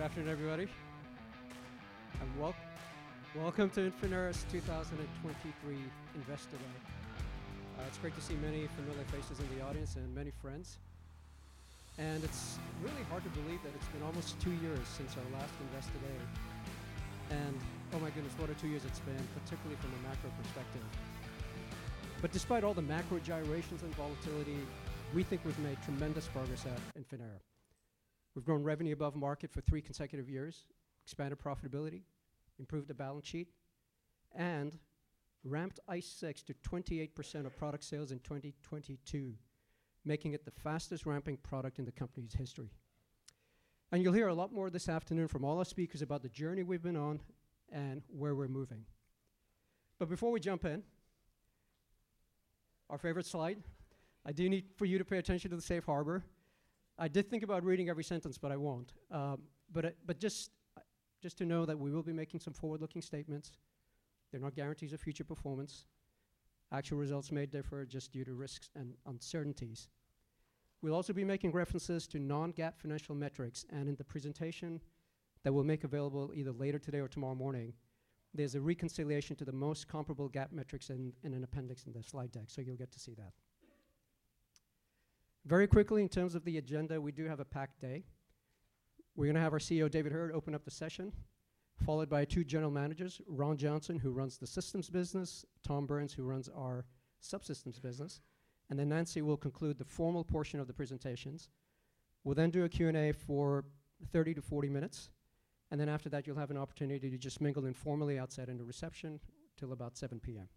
Good afternoon, everybody. Welcome to Infinera's 2023 Invest Day. It's great to see many familiar faces in the audience and many friends. It's really hard to believe that it's been almost two years since our last Invest Day. Oh my goodness, what a two years it's been, particularly from a macro perspective. Despite all the macro gyrations and volatility, we think we've made tremendous progress at Infinera. We've grown revenue above market for three consecutive years, expanded profitability, improved the balance sheet, and ramped ICE6 to 28% of product sales in 2022, making it the fastest ramping product in the company's history. You'll hear a lot more this afternoon from all our speakers about the journey we've been on and where we're moving. Before we jump in, our favorite slide. I do need for you to pay attention to the safe harbor. I did think about reading every sentence, but I won't. Just to know that we will be making some forward-looking statements. They're not guarantees of future performance. Actual results may differ just due to risks and uncertainties. We'll also be making references to non-GAAP financial metrics, and in the presentation that we'll make available either later today or tomorrow morning, there's a reconciliation to the most comparable GAAP metrics in an appendix in the slide deck, so you'll get to see that. Very quickly, in terms of the agenda, we do have a packed day. We're gonna have our CEO, David Heard, open up the session, followed by two general managers, Ron Johnson, who runs the systems business, Tom Burns, who runs our subsystems business, and then Nancy will conclude the formal portion of the presentations. We'll then do a Q&A for 30-40 minutes, and then after that you'll have an opportunity to just mingle informally outside in the reception till about 7:00 P.M.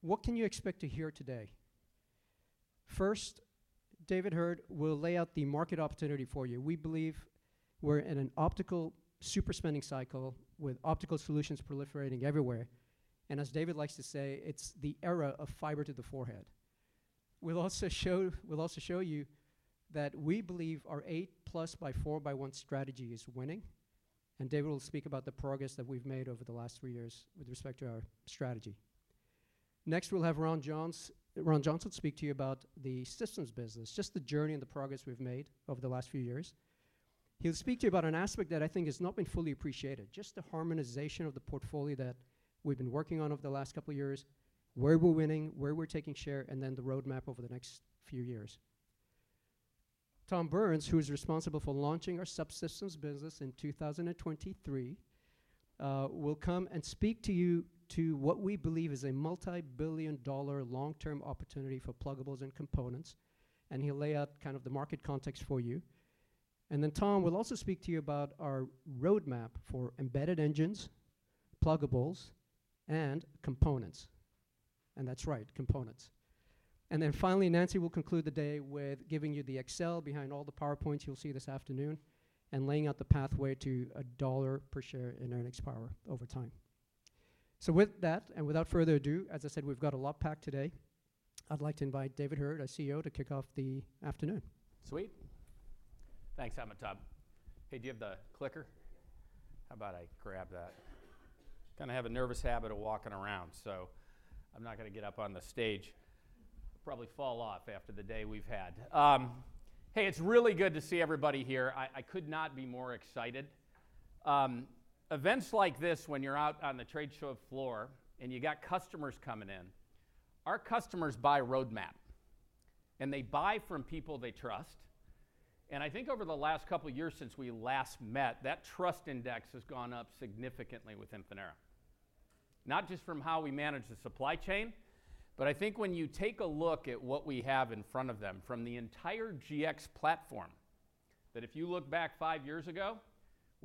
What can you expect to hear today? First, David Heard will lay out the market opportunity for you. We believe we're in an optical super spending cycle with optical solutions proliferating everywhere, and as David likes to say, it's the era of fiber to the forehead. We'll also show you that we believe our 8+x4x1 strategy is winning. David will speak about the progress that we've made over the last three years with respect to our strategy. We'll have Ron Johnson speak to you about the systems business, just the journey and the progress we've made over the last few years. He'll speak to you about an aspect that I think has not been fully appreciated, just the harmonization of the portfolio that we've been working on over the last couple years, where we're winning, where we're taking share. Then the roadmap over the next few years. Tom Burns, who is responsible for launching our subsystems business in 2023, will come and speak to you to what we believe is a multi-billion dollar long-term opportunity for pluggables and components, and he'll lay out kind of the market context for you. Tom will also speak to you about our roadmap for embedded engines, pluggables, and components. That's right, components. Finally, Nancy will conclude the day with giving you the Excel behind all the PowerPoints you'll see this afternoon and laying out the pathway to a $1 per share in earnings power over time. With that, and without further ado, as I said, we've got a lot packed today. I'd like to invite David Heard, our CEO, to kick off the afternoon. Sweet. Thanks, Amitabh. Hey, do you have the clicker? Yeah. How about I grab that? Gonna have a nervous habit of walking around, so I'm not gonna get up on the stage. Probably fall off after the day we've had. Hey, it's really good to see everybody here. I could not be more excited. Events like this, when you're out on the trade show floor and you got customers coming in, our customers buy roadmap. They buy from people they trust. I think over the last couple years since we last met, that trust index has gone up significantly with Infinera. Not just from how we manage the supply chain, but I think when you take a look at what we have in front of them from the entire GX platform, that if you look back five years ago,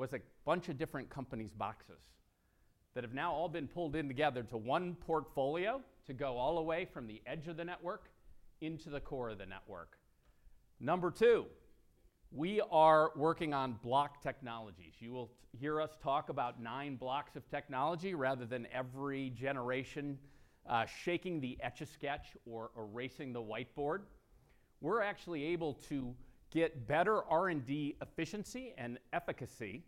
was a bunch of different companies' boxes that have now all been pulled in together to one portfolio to go all the way from the edge of the network into the core of the network. Number two, we are working on block technologies. You will hear us talk about nine blocks of technology rather than every generation, shaking the Etch A Sketch or erasing the whiteboard. We're actually able to get better R&D efficiency and efficacy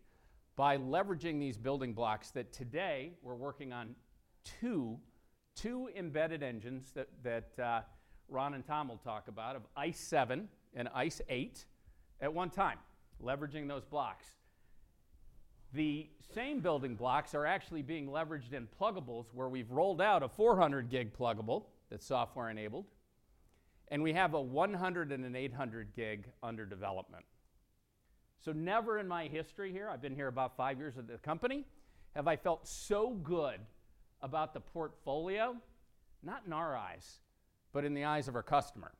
by leveraging these building blocks that today we're working on two embedded engines that Ron and Tom will talk about, of ICE7 and ICE8, at one time, leveraging those blocks. The same building blocks are actually being leveraged in pluggables, where we've rolled out a 400 Gb pluggable that's software enabled, and we have a 100 Gb and an 800 Gb under development. Never in my history here, I've been here about five years at the company, have I felt so good about the portfolio, not in our eyes, but in the eyes of our customer.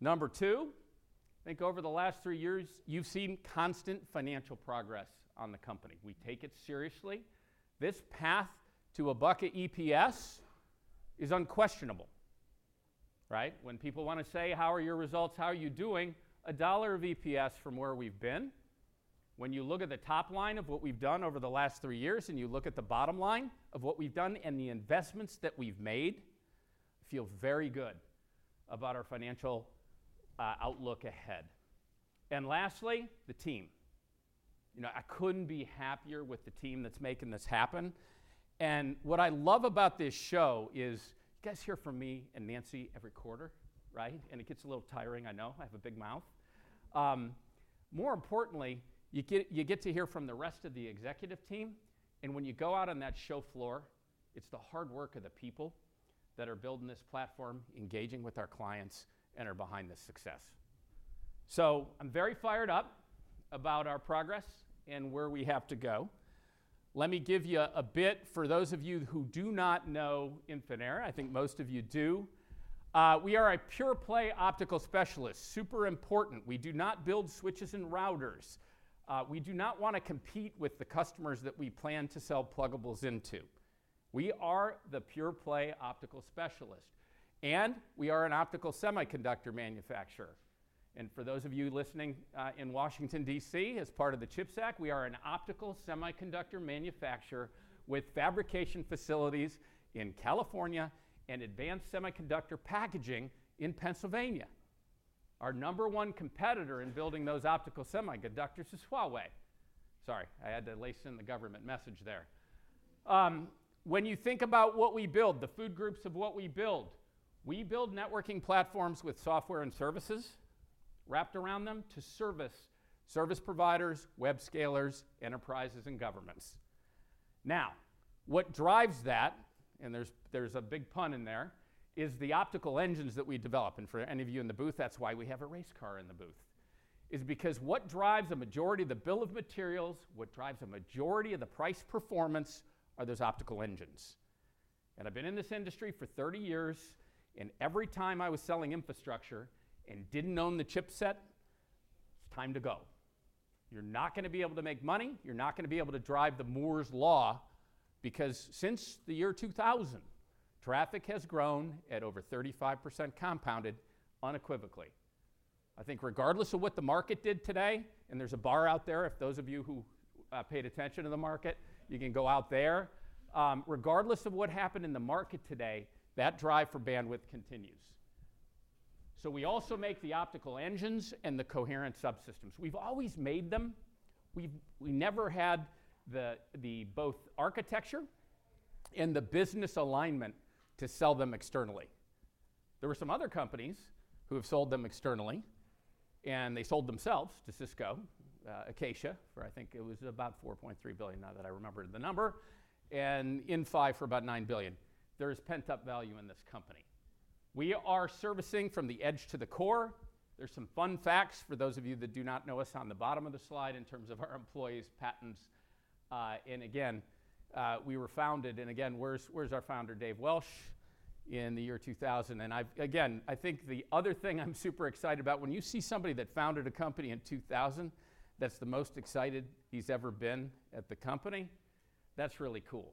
Number two, I think over the last three years, you've seen constant financial progress on the company. We take it seriously. This path to a bucket EPS is unquestionable, right? When people wanna say, "How are your results? How are you doing?" A $1 of EPS from where we've been, when you look at the top line of what we've done over the last three years, you look at the bottom line of what we've done and the investments that we've made, feel very good about our financial outlook ahead. Lastly, the team. You know, I couldn't be happier with the team that's making this happen. What I love about this show is, you guys hear from me and Nancy every quarter, right? It gets a little tiring, I know. I have a big mouth. More importantly, you get to hear from the rest of the executive team. When you go out on that show floor, it's the hard work of the people that are building this platform, engaging with our clients, and are behind this success. I'm very fired up about our progress and where we have to go. Let me give you a bit, for those of you who do not know Infinera, I think most of you do. We are a pure-play optical specialist. Super important. We do not build switches and routers. We do not wanna compete with the customers that we plan to sell pluggables into. We are the pure-play optical specialist, and we are an optical semiconductor manufacturer. For those of you listening, in Washington D.C., as part of the CHIPS Act, we are an optical semiconductor manufacturer with fabrication facilities in California and advanced semiconductor packaging in Pennsylvania. Our number one competitor in building those optical semiconductors is Huawei. Sorry, I had to lace in the government message there. When you think about what we build, the food groups of what we build, we build networking platforms with software and services wrapped around them to service service providers, web scalers, enterprises, and governments. What drives that, and there's a big pun in there, is the optical engines that we develop. For any of you in the booth, that's why we have a race car in the booth, is because what drives a majority of the bill of materials, what drives a majority of the price performance are those optical engines. I've been in this industry for 30 years, and every time I was selling infrastructure and didn't own the chipset, it's time to go. You're not gonna be able to make money. You're not gonna be able to drive the Moore's law, because since the year 2000, traffic has grown at over 35% compounded unequivocally. I think regardless of what the market did today, and there's a bar out there, if those of you who paid attention to the market, you can go out there. Regardless of what happened in the market today, that drive for bandwidth continues. We also make the optical engines and the coherent subsystems. We've always made them. We never had the both architecture and the business alignment to sell them externally. There were some other companies who have sold them externally, and they sold themselves to Cisco, Acacia, for I think it was about $4.3 billion, now that I remember the number, and Inphi for about $9 billion. There is pent-up value in this company. We are servicing from the edge to the core. There's some fun facts for those of you that do not know us on the bottom of the slide in terms of our employees, patents, and again, we were founded, and again, where's our founder, Dave Welch, in the year 2000. Again, I think the other thing I'm super excited about, when you see somebody that founded a company in 2000 that's the most excited he's ever been at the company, that's really cool.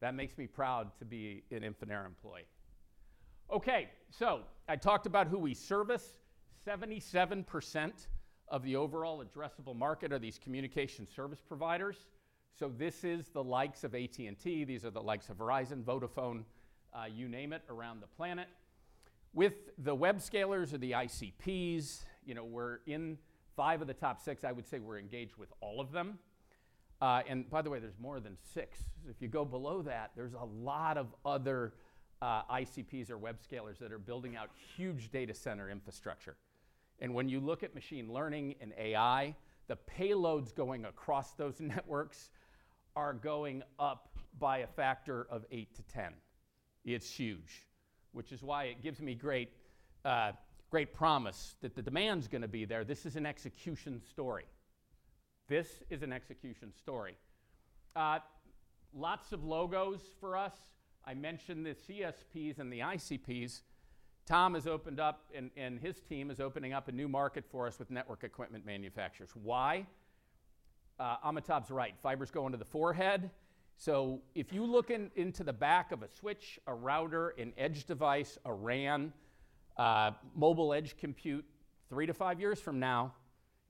That makes me proud to be an Infinera employee. Okay. I talked about who we service. 77% of the overall addressable market are these communication service providers. This is the likes of AT&T. These are the likes of Verizon, Vodafone, you name it, around the planet. With the web scalers or the ICPs, you know, we're in fiveof the top six. I would say we're engaged with all of them. By the way, there's more than six. If you go below that, there's a lot of other ICPs or web scalers that are building out huge data center infrastructure. When you look at machine learning and AI, the payloads going across those networks are going up by a factor of eight to 10. It's huge, which is why it gives me great promise that the demand's gonna be there. This is an execution story. This is an execution story. Lots of logos for us. I mentioned the CSPs and the ICPs. Tom has opened up and his team is opening up a new market for us with network equipment manufacturers. Why? Amitabh's right. Fibers go into the forehead. If you look into the back of a switch, a router, an edge device, a RAN, mobile edge compute three to five years from now,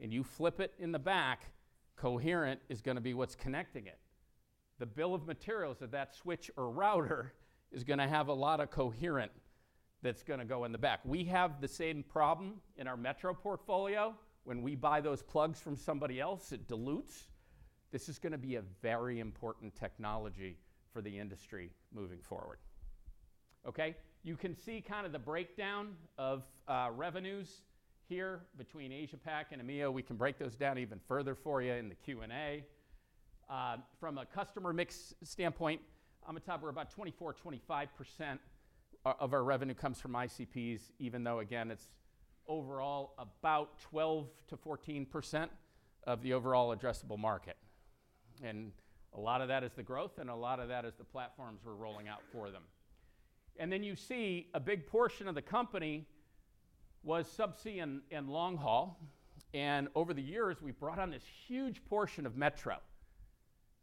and you flip it in the back, coherent is gonna be what's connecting it. The bill of materials of that switch or router is gonna have a lot of coherent that's gonna go in the back. We have the same problem in our metro portfolio. When we buy those plugs from somebody else, it dilutes. This is gonna be a very important technology for the industry moving forward. Okay? You can see kind of the breakdown of revenues here between Asia Pac and EMEA. We can break those down even further for you in the Q&A. From a customer mix standpoint, at top we're about 24%-25% of our revenue comes from ICPs, even though, again, it's overall about 12%-14% of the overall addressable market. A lot of that is the growth, a lot of that is the platforms we're rolling out for them. Then you see a big portion of the company was subsea and long haul, and over the years, we've brought on this huge portion of metro.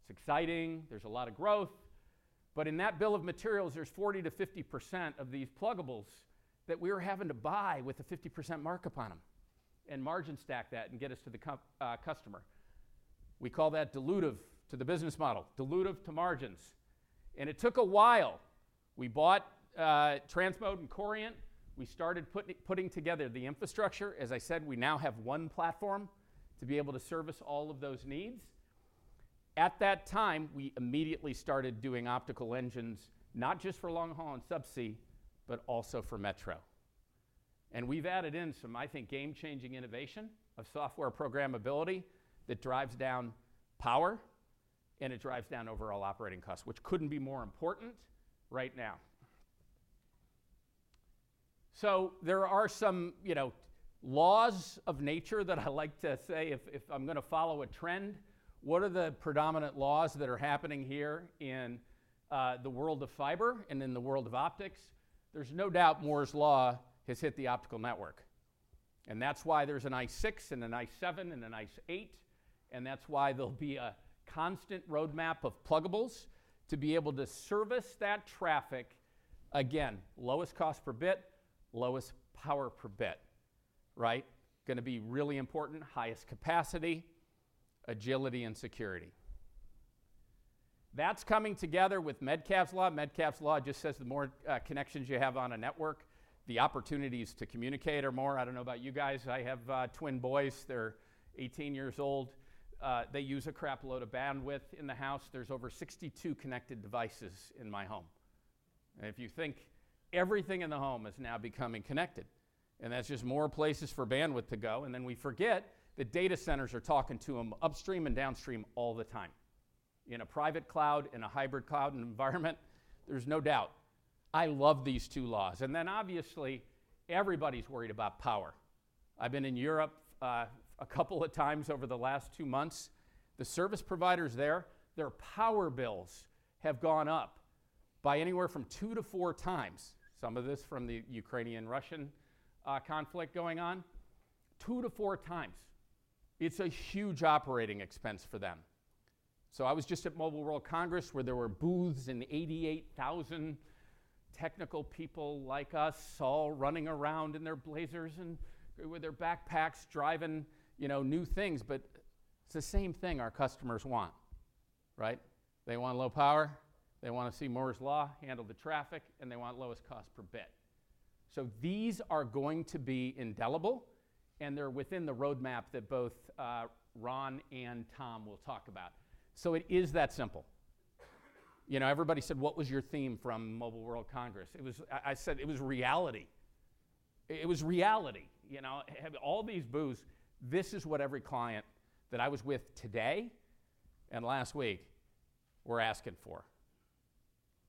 It's exciting. There's a lot of growth. In that bill of materials, there's 40%-50% of these pluggables that we're having to buy with a 50% markup on them, and margin stack that and get us to the customer. We call that dilutive to the business model, dilutive to margins. It took a while. We bought Transmode and Coriant. We started put-putting together the infrastructure. As I said, we now have one platform to be able to service all of those needs. At that time, we immediately started doing optical engines, not just for long haul and subsea, but also for metro. We've added in some, I think, game-changing innovation of software programmability that drives down power, and it drives down overall operating costs, which couldn't be more important right now. There are some, you know, laws of nature that I like to say if I'm gonna follow a trend, what are the predominant laws that are happening here in the world of fiber and in the world of optics? There's no doubt Moore's law has hit the optical network, and that's why there's an ICE6 and an ICE7 and an ICE8, and that's why there'll be a constant roadmap of pluggables to be able to service that traffic. Again, lowest cost per bit, lowest power per bit, right? Gonna be really important. Highest capacity, agility and security. That's coming together with Metcalfe's law. Metcalfe's law just says the more connections you have on a network, the opportunities to communicate are more. I don't know about you guys, I have twin boys. They're 18 years old. They use a crap load of bandwidth in the house. There's over 62 connected devices in my home. If you think everything in the home is now becoming connected, and that's just more places for bandwidth to go, we forget the data centers are talking to them upstream and downstream all the time. In a private cloud, in a hybrid cloud environment, there's no doubt. I love these two laws. Obviously, everybody's worried about power. I've been in Europe, a couple of times over the last two months. The service providers there, their power bills have gone up by anywhere from two to four times. Some of this from the Ukrainian-Russian conflict going on. Two to four times. It's a huge operating expense for them. I was just at Mobile World Congress, where there were booths and 88,000 technical people like us all running around in their blazers and with their backpacks driving, you know, new things. It's the same thing our customers want, right? They want low power, they wanna see Moore's law handle the traffic, and they want lowest cost per bit. These are going to be indelible, and they're within the roadmap that both Ron and Tom will talk about. It is that simple. You know, everybody said, "What was your theme from Mobile World Congress?" I said it was reality. It was reality. You know, have all these booths, this is what every client that I was with today and last week were asking for.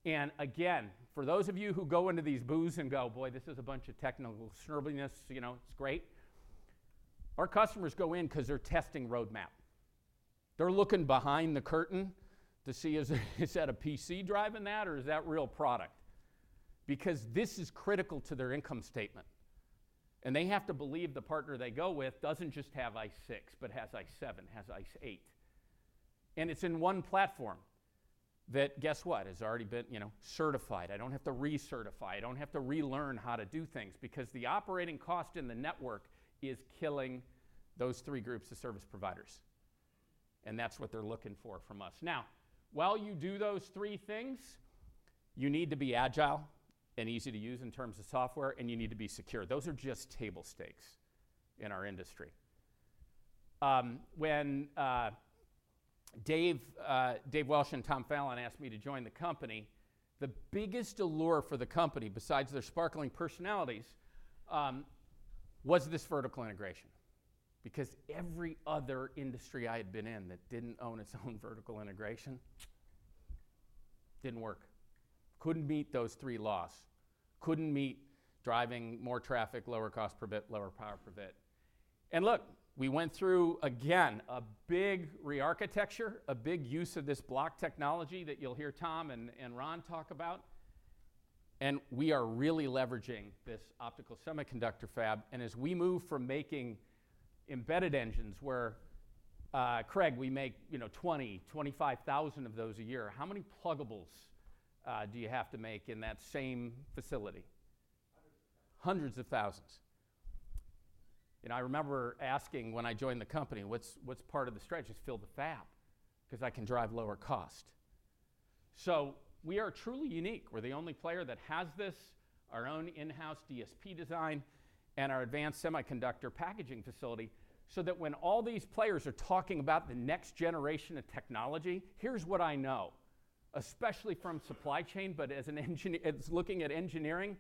Again, for those of you who go into these booths and go, "Boy, this is a bunch of technical snivelingness, you know, it's great," our customers go in 'cause they're testing roadmap. They're looking behind the curtain to see is that a PIC driving that or is that real product? This is critical to their income statement, and they have to believe the partner they go with doesn't just have ICE6, but has ICE7, has ICE8. It's in one platform that, guess what, has already been, you know, certified. I don't have to recertify. I don't have to relearn how to do things because the operating cost in the network is killing those three groups of service providers, and that's what they're looking for from us. While you do those three things, you need to be agile and easy to use in terms of software, and you need to be secure. Those are just table stakes in our industry. When Dave Welch and Tom Fallon asked me to join the company, the biggest allure for the company, besides their sparkling personalities, was this vertical integration. Because every other industry I had been in that didn't own its own vertical integration, didn't work. Couldn't meet those three laws. Couldn't meet driving more traffic, lower cost per bit, lower power per bit. Look, we went through, again, a big rearchitecture, a big use of this block technology that you'll hear Tom and Ron talk about, and we are really leveraging this optical semiconductor fab. As we move from making embedded engines where Craig, we make, you know, 20,000-25,000 of those a year, how many pluggables do you have to make in that same facility? Hundreds of thousands. Hundreds of thousands. You know, I remember asking when I joined the company, "What's part of the strategy to fill the fab 'cause I can drive lower cost?" We are truly unique. We're the only player that has this, our own in-house DSP design, and our advanced semiconductor packaging facility, so that when all these players are talking about the next generation of technology, here's what I know, especially from supply chain, but as looking at engineering.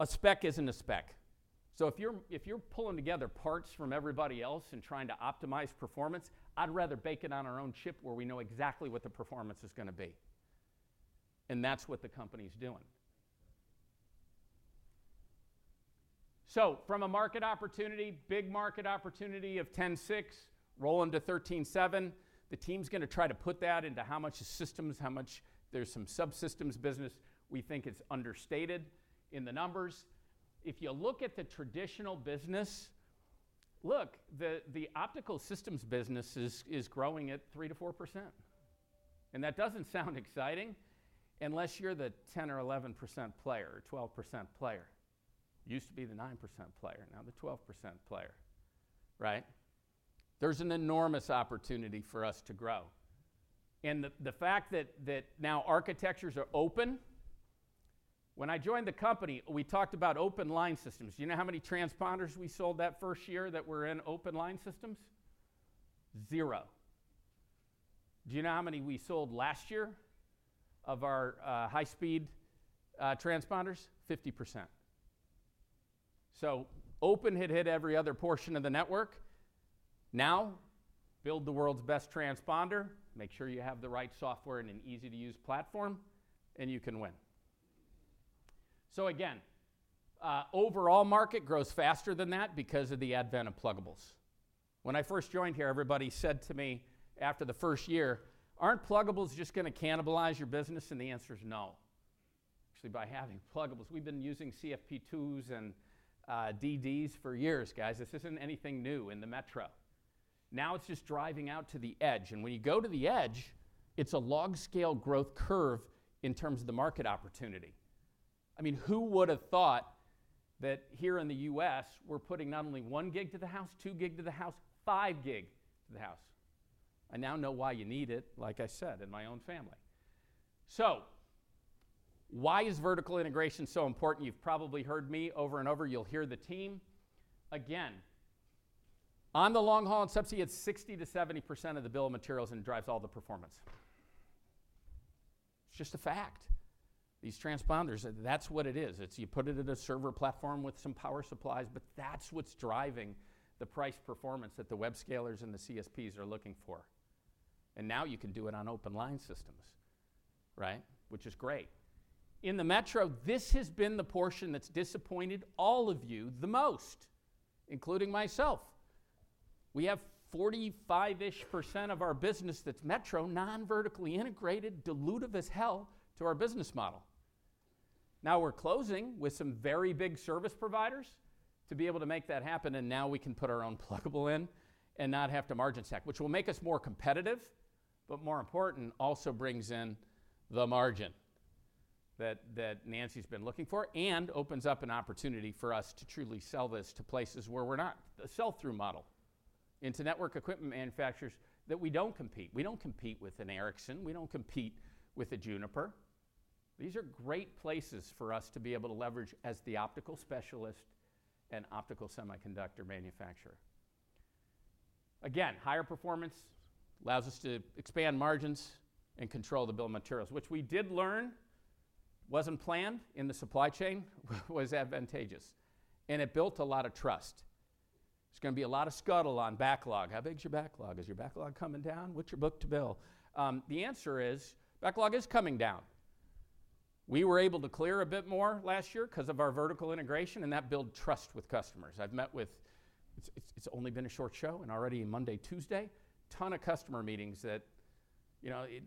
A spec isn't a spec. If you're pulling together parts from everybody else and trying to optimize performance, I'd rather bake it on our own chip where we know exactly what the performance is gonna be. That's what the company's doing. From a market opportunity, big market opportunity of $10.6 billion rolling to $13.7 billion, the team's gonna try to put that into how much is systems, how much there's some subsystems business we think is understated in the numbers. If you look at the traditional business, look, the optical systems business is growing at 3%-4%, and that doesn't sound exciting unless you're the 10% or 11% player or 12% player. Used to be the 9% player, now the 12% player, right? There's an enormous opportunity for us to grow. The fact that now architectures are open. When I joined the company, we talked about open line systems. Do you know how many transponders we sold that 1st year that were in open line systems? zero. Do you know how many we sold last year of our high-speed transponders? 50%. Open had hit every other portion of the network. Build the world's best transponder, make sure you have the right software and an easy-to-use platform, and you can win. Again, overall market grows faster than that because of the advent of pluggables. When I first joined here, everybody said to me after the first year, "Aren't pluggables just gonna cannibalize your business?" The answer is no. Actually, by having pluggables, we've been using CFP2s and DDs for years, guys. This isn't anything new in the metro. It's just driving out to the edge, and when you go to the edge, it's a log scale growth curve in terms of the market opportunity. I mean, who would have thought that here in the U.S., we're putting not only 1 Gb to the house, 2 Gb to the house, 5 Gb to the house. I now know why you need it, like I said, in my own family. Why is vertical integration so important? You've probably heard me over and over. You'll hear the team. Again, on the long haul and subsea, it's 60%-70% of the bill of materials, and it drives all the performance. It's just a fact. These transponders, that's what it is. It's you put it in a server platform with some power supplies, but that's what's driving the price performance that the web scalers and the CSPs are looking for. Now you can do it on open line systems, right, which is great. In the metro, this has been the portion that's disappointed all of you the most, including myself. We have 45%-ish of our business that's metro, non-vertically integrated, dilutive as hell to our business model. We're closing with some very big service providers to be able to make that happen, and now we can put our own pluggable in and not have to margin stack, which will make us more competitive, but more important, also brings in the margin that Nancy's been looking for, and opens up an opportunity for us to truly sell this to places where we're not a sell-through model into network equipment manufacturers that we don't compete. We don't compete with an Ericsson. We don't compete with a Juniper. These are great places for us to be able to leverage as the optical specialist and optical semiconductor manufacturer. Higher performance allows us to expand margins and control the bill of materials, which we did learn wasn't planned in the supply chain, was advantageous, and it built a lot of trust. There's gonna be a lot of scuttle on backlog. How big is your backlog? Is your backlog coming down? What's your book to bill? The answer is backlog is coming down. We were able to clear a bit more last year 'cause of our vertical integration, and that built trust with customers. It's only been a short show and already Monday, Tuesday, ton of customer meetings that, you know, it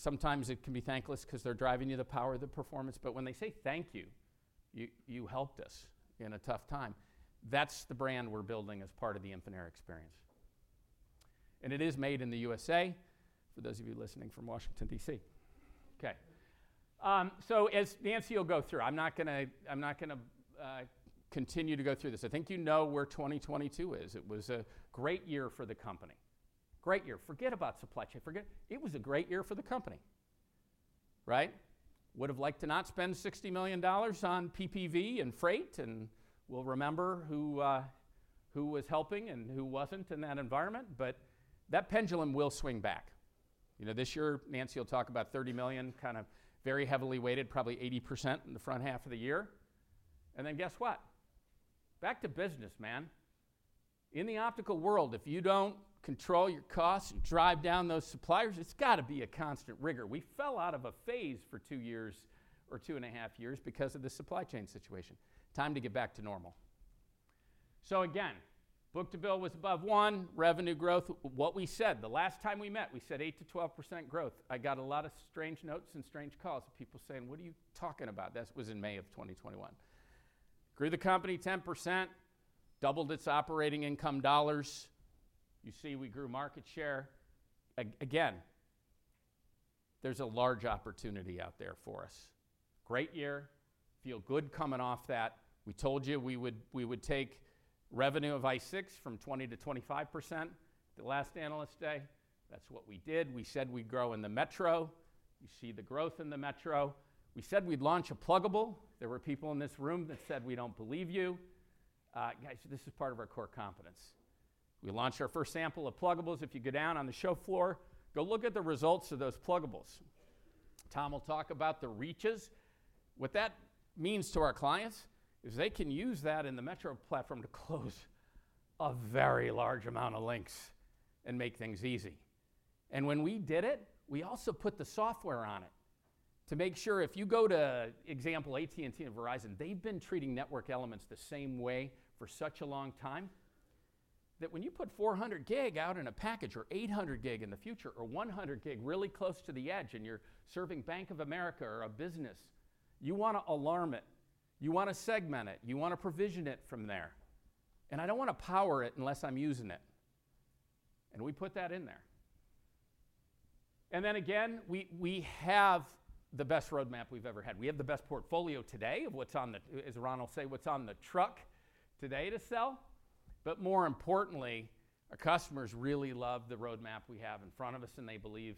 sometimes it can be thankless 'cause they're driving you the power of the performance, but when they say, "Thank you helped us in a tough time," that's the brand we're building as part of the Infinera experience. It is made in the U.S.A, for those of you listening from Washington, D.C. Okay. As Nancy will go through, I'm not gonna continue to go through this. I think you know where 2022 is. It was a great year for the company. Great year. Forget about supply chain. It was a great year for the company, right? Would have liked to not spend $60 million on PPV and freight, and we'll remember who was helping and who wasn't in that environment, but that pendulum will swing back. You know, this year, Nancy will talk about $30 million, kind of very heavily weighted, probably 80% in the front half of the year. Then guess what? Back to business, man. In the optical world, if you don't control your costs and drive down those suppliers, it's gotta be a constant rigor. We fell out of a phase for two years or two and a half years because of the supply chain situation. Time to get back to normal. Again, book to bill was above 1. Revenue growth, what we said. The last time we met, we said 8%-12% growth. I got a lot of strange notes and strange calls of people saying, "What are you talking about?" That was in May of 2021. Grew the company 10%, doubled its operating income dollars. You see we grew market share. Again, there's a large opportunity out there for us. Great year. Feel good coming off that. We told you we would take revenue of ICE6 from 20%-25% the last Analyst Day. That's what we did. We said we'd grow in the metro. You see the growth in the metro. We said we'd launch a pluggable. There were people in this room that said, "We don't believe you." Guys, this is part of our core competence. We launched our first sample of pluggables. If you go down on the show floor, go look at the results of those pluggables. Tom will talk about the reaches. What that means to our clients is they can use that in the metro platform to close a very large amount of links and make things easy. When we did it, we also put the software on it to make sure if you go to example, AT&T and Verizon, they've been treating network elements the same way for such a long time that when you put 400 Gb out in a package or 800 Gb in the future or 100 Gb really close to the edge and you're serving Bank of America or a business, you wanna alarm it, you wanna segment it, you wanna provision it from there. I don't wanna power it unless I'm using it. We put that in there. Again, we have the best roadmap we've ever had. We have the best portfolio today of what's on the as Ron will say, what's on the truck today to sell. More importantly, our customers really love the roadmap we have in front of us, and they believe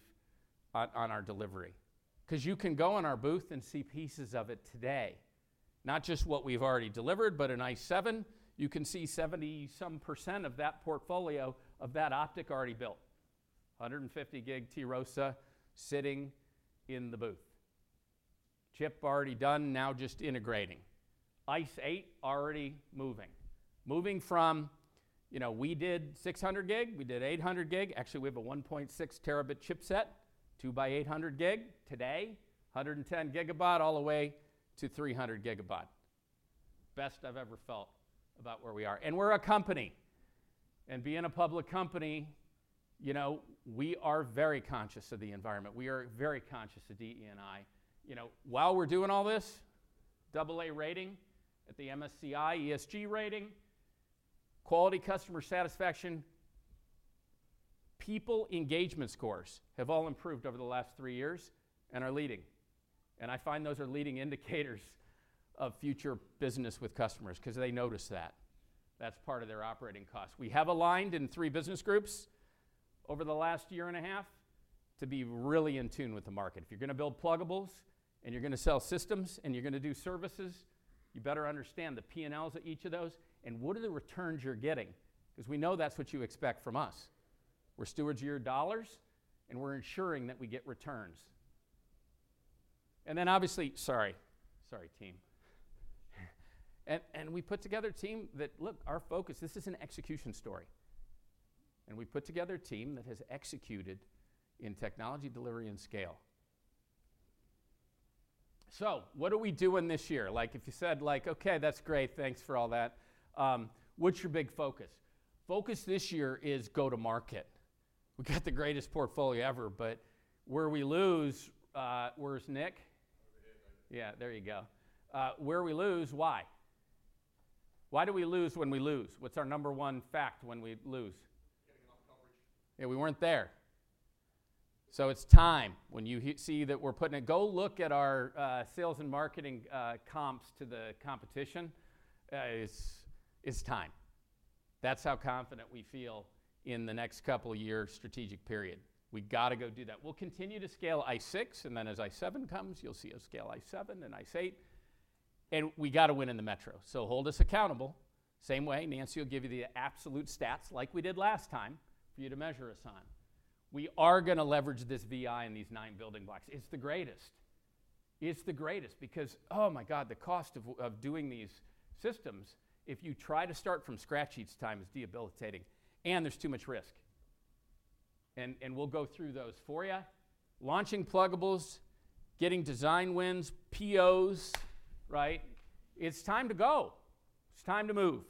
on our delivery. Because you can go in our booth and see pieces of it today, not just what we've already delivered, but in ICE7 you can see 70 some percent of that portfolio of that optic already built. 150 Gb TROSA sitting in the booth. Chip already done, now just integrating. ICE8 already moving. Moving from, you know, we did 600 Gb, we did 800 Gb. Actually, we have a 1.6 Tb chipset, 2-by-800 Gb today, 110 gigabaud all the way to 300 gigabaud. Best I've ever felt about where we are. We're a company. Being a public company, you know, we are very conscious of the environment. We are very conscious of DE&I. You know, while we're doing all this, double A rating at the MSCI, ESG rating, quality customer satisfaction, people engagement scores have all improved over the last three years and are leading. I find those are leading indicators of future business with customers 'cause they notice that. That's part of their operating cost. We have aligned in three business groups over the last year and a half to be really in tune with the market. If you're gonna build pluggables, and you're gonna sell systems, and you're gonna do services, you better understand the P&Ls of each of those and what are the returns you're getting, because we know that's what you expect from us. We're stewards of your dollars, and we're ensuring that we get returns. Obviously... Sorry. Sorry, team. We put together a team that Look, our focus, this is an execution story, and we put together a team that has executed in technology delivery and scale. What are we doing this year? Like, if you said like, "Okay, that's great. Thanks for all that. What's your big focus?" Focus this year is go to market. We got the greatest portfolio ever, where we lose... Where's Nick? Over here. Yeah. There you go. Where we lose, why? Why do we lose when we lose? What's our number one fact when we lose? Getting off coverage. Yeah, we weren't there. It's time. When you see that we're putting a... Go look at our sales and marketing comps to the competition, it's time. That's how confident we feel in the next couple year strategic period. We gotta go do that. We'll continue to scale ICE6, and then as ICE7 comes, you'll see us scale ICE7, then ICE8, and we gotta win in the metro. Hold us accountable. Same way, Nancy will give you the absolute stats like we did last time for you to measure us on. We are gonna leverage this VI and these nine building blocks. It's the greatest. It's the greatest because, oh my God, the cost of doing these systems, if you try to start from scratch each time, it's debilitating and there's too much risk. We'll go through those for you. Launching pluggables, getting design wins, POs, right? It's time to go. It's time to move.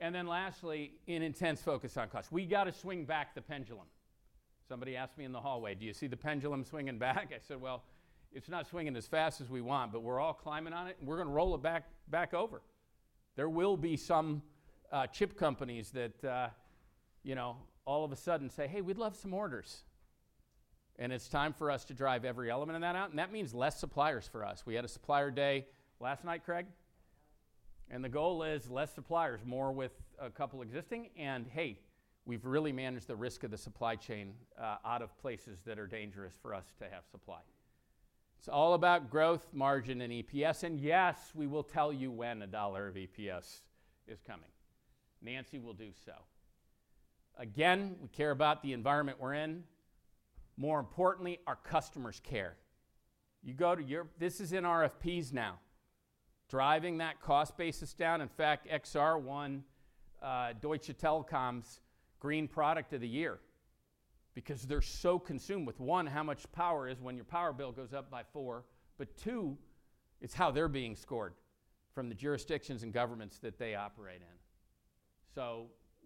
Lastly, an intense focus on cost. We gotta swing back the pendulum. Somebody asked me in the hallway, "Do you see the pendulum swinging back?" I said, "Well, it's not swinging as fast as we want, but we're all climbing on it and we're gonna roll it back over." There will be some chip companies that, you know, all of a sudden say, "Hey, we'd love some orders." It's time for us to drive every element of that out, and that means less suppliers for us. We had a supplier day last night, Craig. The goal is less suppliers, more with a couple existing, and hey, we've really managed the risk of the supply chain out of places that are dangerous for us to have supply. It's all about growth, margin, and EPS, and yes, we will tell you when $1 of EPS is coming. Nancy will do so. Again, we care about the environment we're in. More importantly, our customers care. This is in RFPs now. Driving that cost basis down. In fact, XR won Deutsche Telekom's Green Product of the Year because they're so consumed with, one, how much power is when your power bill goes up by four, but two, it's how they're being scored from the jurisdictions and governments that they operate in.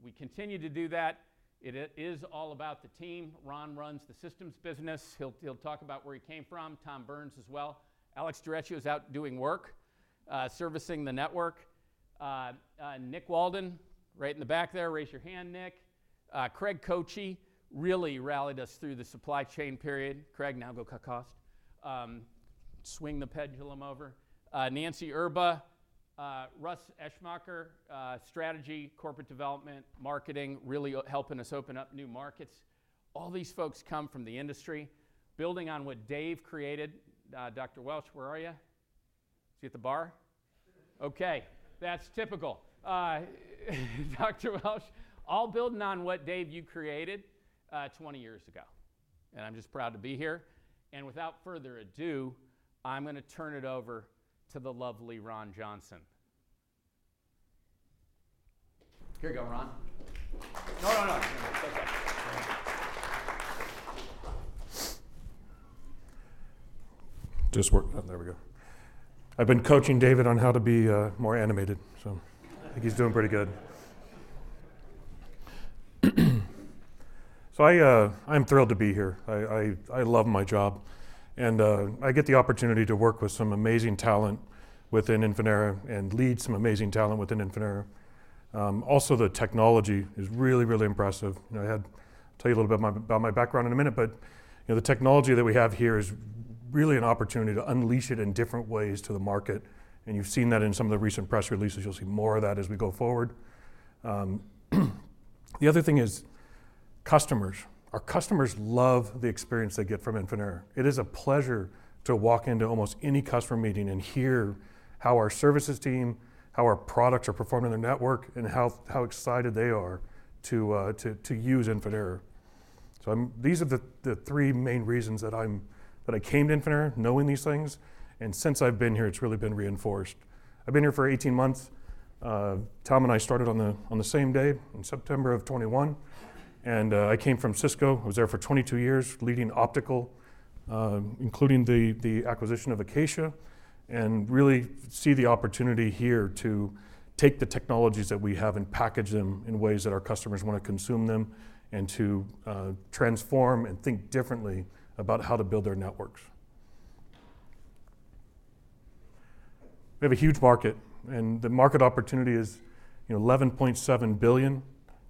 We continue to do that. It is all about the team. Ron runs the systems business. He'll talk about where he came from. Tom Burns as well. Alex D'Ricco is out doing work, servicing the network. Nick Walden, right in the back there. Raise your hand, Nick. Craig Kochy really rallied us through the supply chain period. Craig, now go cut cost. Swing the pendulum over. Nancy Erba, Russ Eschbacher, strategy, corporate development, marketing, really helping us open up new markets. All these folks come from the industry, building on what Dave created. Dr. Welch, where are you? See at the bar? Okay, that's typical. Dr. Welch, all building on what Dave you created, 20 years ago, and I'm just proud to be here. Without further ado, I'm gonna turn it over to the lovely Ron Johnson. Here you go, Ron. No, no. It's okay. This work? There we go. I've been coaching David on how to be more animated. I think he's doing pretty good. I'm thrilled to be here. I love my job, I get the opportunity to work with some amazing talent within Infinera and lead some amazing talent within Infinera. The technology is really, really impressive. You know, tell you a little bit about my background in a minute, you know, the technology that we have here is really an opportunity to unleash it in different ways to the market, you've seen that in some of the recent press releases. You'll see more of that as we go forward. The other thing is customers. Our customers love the experience they get from Infinera. It is a pleasure to walk into almost any customer meeting and hear how our services team, how our products are performing in the network, and how excited they are to use Infinera. These are the three main reasons that I came to Infinera knowing these things, and since I've been here, it's really been reinforced. I've been here for 18 months. Tom and I started on the same day in September of 2021, and I came from Cisco. I was there for 22 years leading Optical, including the acquisition of Acacia, and really see the opportunity here to take the technologies that we have and package them in ways that our customers wanna consume them and to transform and think differently about how to build their networks. We have a huge market, and the market opportunity is, you know, $11.7 billion.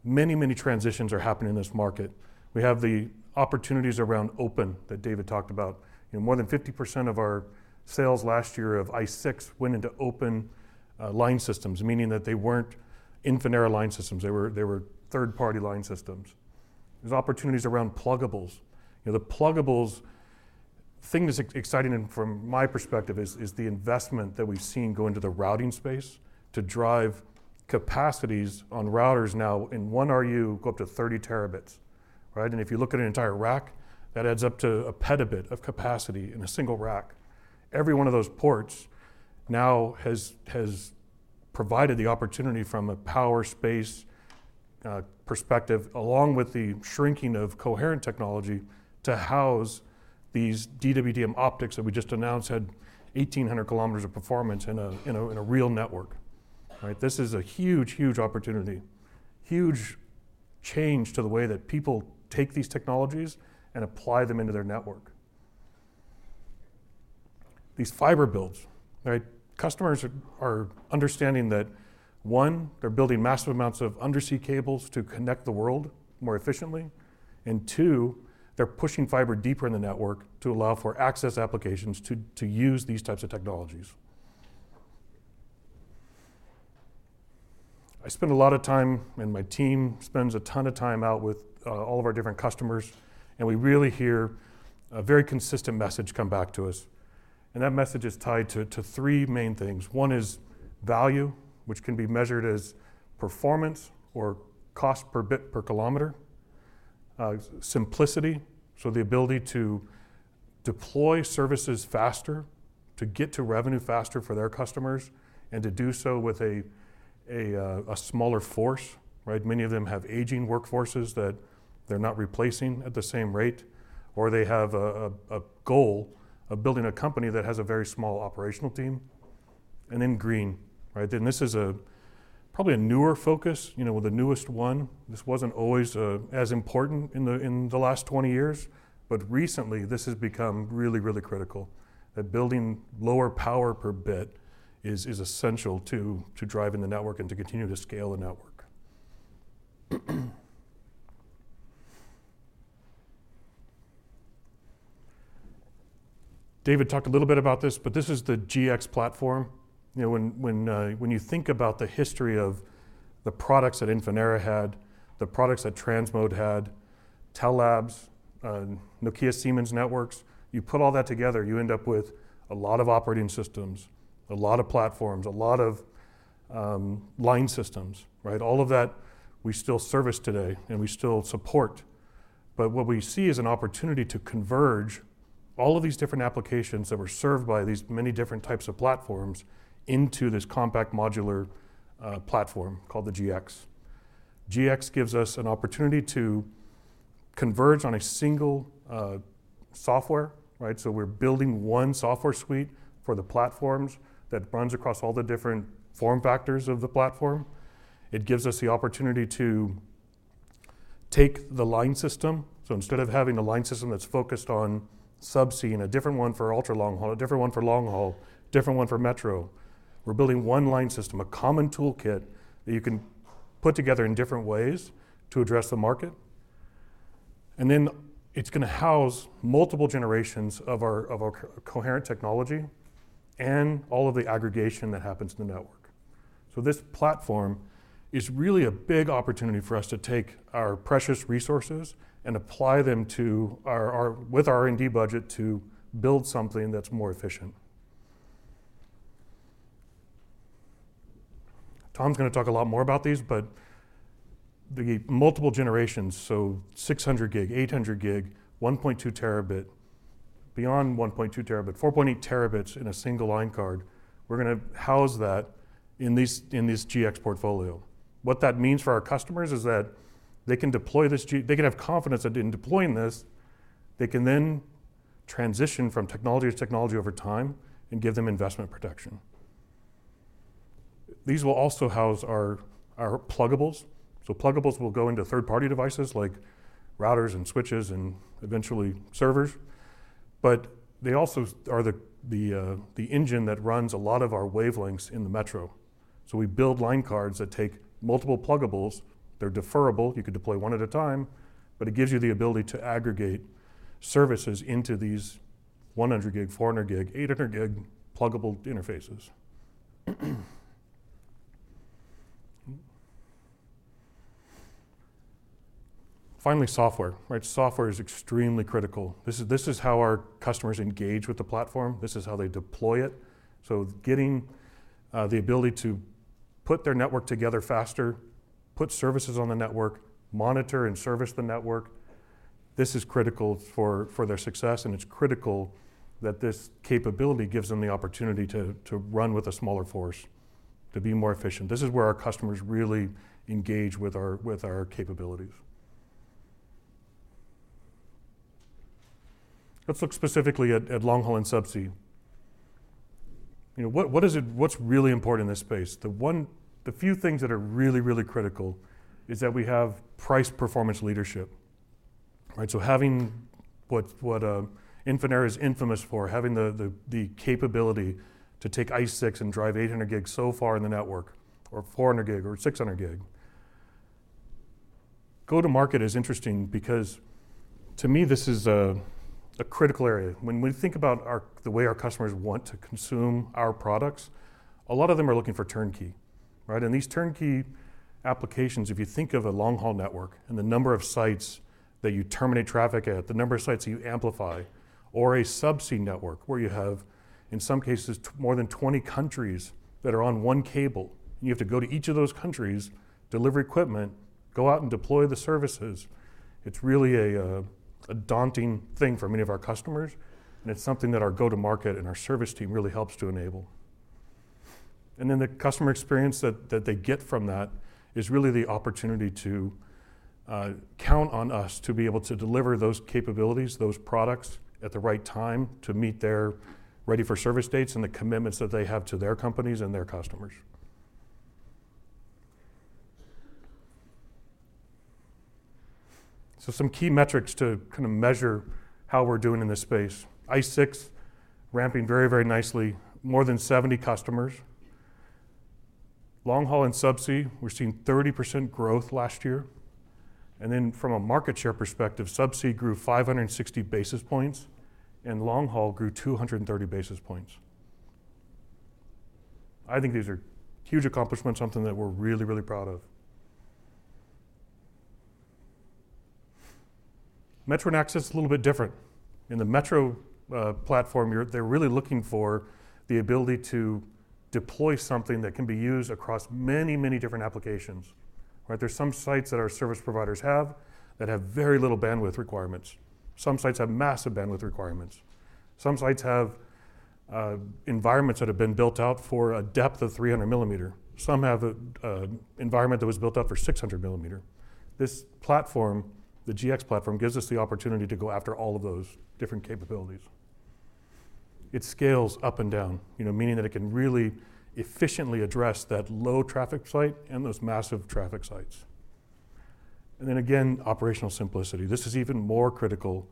Many, many transitions are happening in this market. We have the opportunities around open that David Heard talked about. You know, more than 50% of our sales last year of ICE6 went into open line systems, meaning that they weren't Infinera line systems. They were third-party line systems. There's opportunities around pluggables. You know, the pluggables thing is exciting and from my perspective is the investment that we've seen go into the routing space to drive capacities on routers now in 1 RU go up to 30 Tb, right? If you look at an entire rack, that adds up to a petabit of capacity in a single rack. Every one of those ports now has provided the opportunity from a power space perspective, along with the shrinking of coherent technology to house these DWDM optics that we just announced had 1,800 kilometers of performance in a real network. Right? This is a huge, huge opportunity, huge change to the way that people take these technologies and apply them into their network. These fiber builds, right? Customers are understanding that, one, they're building massive amounts of undersea cables to connect the world more efficiently, and two, they're pushing fiber deeper in the network to allow for access applications to use these types of technologies. I spend a lot of time, and my team spends a ton of time out with all of our different customers, and we really hear a very consistent message come back to us, and that message is tied to three main things. One is value, which can be measured as performance or cost per bit per kilometer. Simplicity, so the ability to deploy services faster, to get to revenue faster for their customers, and to do so with a smaller force. Right? Many of them have aging workforces that they're not replacing at the same rate, or they have a goal of building a company that has a very small operational team. Green, right? This is a probably a newer focus, you know, the newest one. This wasn't always as important in the last 20 years, but recently, this has become really, really critical, that building lower power per bit is essential to drive in the network and to continue to scale the network. David talked a little bit about this, but this is the GX platform. You know, when you think about the history of the products that Infinera had, the products that Transmode had, Tellabs, Nokia Siemens Networks, you put all that together, you end up with a lot of operating systems, a lot of platforms, a lot of line systems, right? All of that we still service today, and we still support. What we see is an opportunity to converge all of these different applications that were served by these many different types of platforms into this compact modular platform called the GX. GX gives us an opportunity to converge on a single software, right? We're building one software suite for the platforms that runs across all the different form factors of the platform. It gives us the opportunity to take the line system. Instead of having a line system that's focused on subsea and a different one for ultra-long haul, a different one for long haul, different one for metro, we're building one line system, a common toolkit that you can put together in different ways to address the market. It's going to house multiple generations of our coherent technology and all of the aggregation that happens in the network. This platform is really a big opportunity for us to take our precious resources and apply them with our R&D budget to build something that's more efficient. Tom's going to talk a lot more about these, but the multiple generations, so 600 Gb, 800 Gb, 1.2 Tb, beyond 1.2 Tb, 4.8 Tb in a single line card, we're going to house that in these GX portfolio. What that means for our customers is that they can deploy this, they can have confidence that in deploying this, they can then transition from technology to technology over time and give them investment protection. These will also house our pluggables. Pluggables will go into third-party devices like routers and switches and eventually servers. They also are the engine that runs a lot of our wavelengths in the metro. We build line cards that take multiple pluggables. They're deferrable. You could deploy one at a time. It gives you the ability to aggregate services into these 100 Gb, 400 Gb, 800 Gb pluggable interfaces. Finally, software, right? Software is extremely critical. This is how our customers engage with the platform. This is how they deploy it. Getting the ability to put their network together faster, put services on the network, monitor and service the network, this is critical for their success, and it's critical that this capability gives them the opportunity to run with a smaller force, to be more efficient. This is where our customers really engage with our capabilities. Let's look specifically at long haul and subsea. You know, what's really important in this space? The few things that are really critical is that we have price-performance leadership. Right? Having what Infinera is infamous for, having the capability to take ICE6 and drive 800 Gb so far in the network or 400 Gb or 600 Gb. Go-to-market is interesting because to me, this is a critical area. When we think about the way our customers want to consume our products, a lot of them are looking for turnkey, right? These turnkey applications, if you think of a long-haul network and the number of sites that you terminate traffic at, the number of sites that you amplify, or a subsea network where you have, in some cases, more than 20 countries that are on one cable, and you have to go to each of those countries, deliver equipment, go out and deploy the services, it's really a daunting thing for many of our customers, and it's something that our go-to-market and our service team really helps to enable. The customer experience that they get from that is really the opportunity to count on us to be able to deliver those capabilities, those products at the right time to meet their ready-for-service dates and the commitments that they have to their companies and their customers. Some key metrics to kinda measure how we're doing in this space. ICE6 ramping very nicely. More than 70 customers. Long haul and subsea, we're seeing 30% growth last year. From a market share perspective, subsea grew 560 basis points, and long haul grew 230 basis points. I think these are huge accomplishments, something that we're really proud of. Metro and access is a little bit different. In the metro platform, they're really looking for the ability to deploy something that can be used across many different applications, right? There's some sites that our service providers have that have very little bandwidth requirements. Some sites have massive bandwidth requirements. Some sites have environments that have been built out for a depth of 300 millimeter. Some have a environment that was built out for 600 millimeter. This platform, the GX platform, gives us the opportunity to go after all of those different capabilities. It scales up and down, you know, meaning that it can really efficiently address that low-traffic site and those massive traffic sites. Then again, operational simplicity. This is even more critical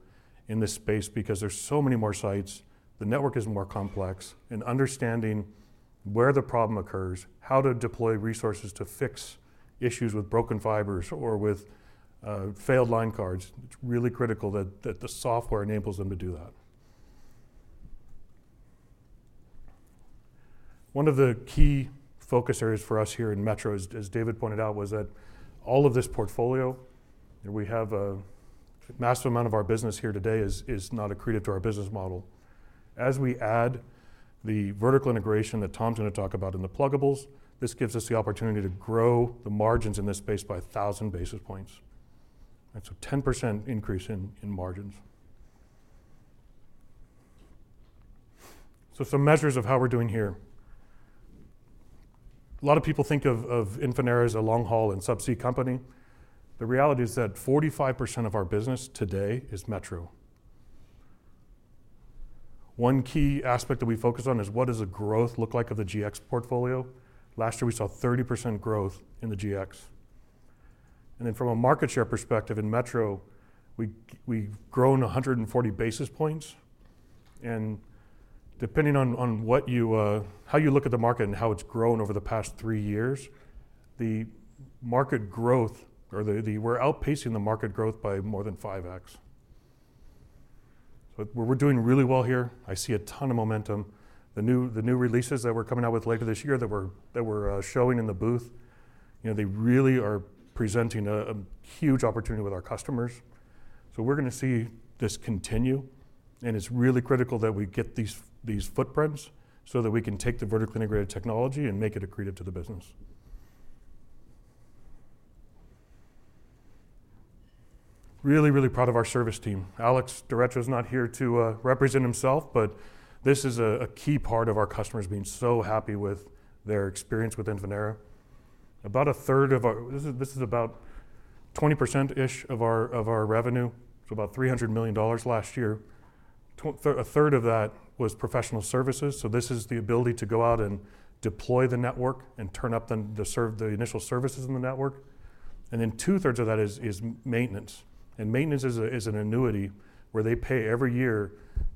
in this space because there's so many more sites, the network is more complex, and understanding where the problem occurs, how to deploy resources to fix issues with broken fibers or with failed line cards, it's really critical that the software enables them to do that. One of the key focus areas for us here in metro, as David pointed out, was that all of this portfolio that we have, a massive amount of our business here today is not accretive to our business model. As we add the vertical integration that Tom's gonna talk about in the pluggables, this gives us the opportunity to grow the margins in this space by 1,000 basis points. That's a 10% increase in margins. Some measures of how we're doing here. A lot of people think of Infinera as a long haul and subsea company. The reality is that 45% of our business today is metro. One key aspect that we focus on is what does the growth look like of the GX portfolio? Last year, we saw 30% growth in the GX. From a market share perspective in metro, we've grown 140 basis points and depending on what you, how you look at the market and how it's grown over the past three years, the market growth or the... we're outpacing the market growth by more than 5x. We're, we're doing really well here. I see a ton of momentum. The new, the new releases that we're coming out with later this year that we're, that we're showing in the booth, you know, they really are presenting a huge opportunity with our customers. We're gonna see this continue, and it's really critical that we get these footprints so that we can take the vertical integrated technology and make it accretive to the business. Really, really proud of our service team. Alex D'Ricco is not here to represent himself, but this is a key part of our customers being so happy with their experience with Infinera. This is about 20%-ish of our, of our revenue, so about $300 million last year. a third of that was professional services, so this is the ability to go out and deploy the network and turn up the initial services in the network. Then two-thirds of that is maintenance. Maintenance is an annuity where they pay every year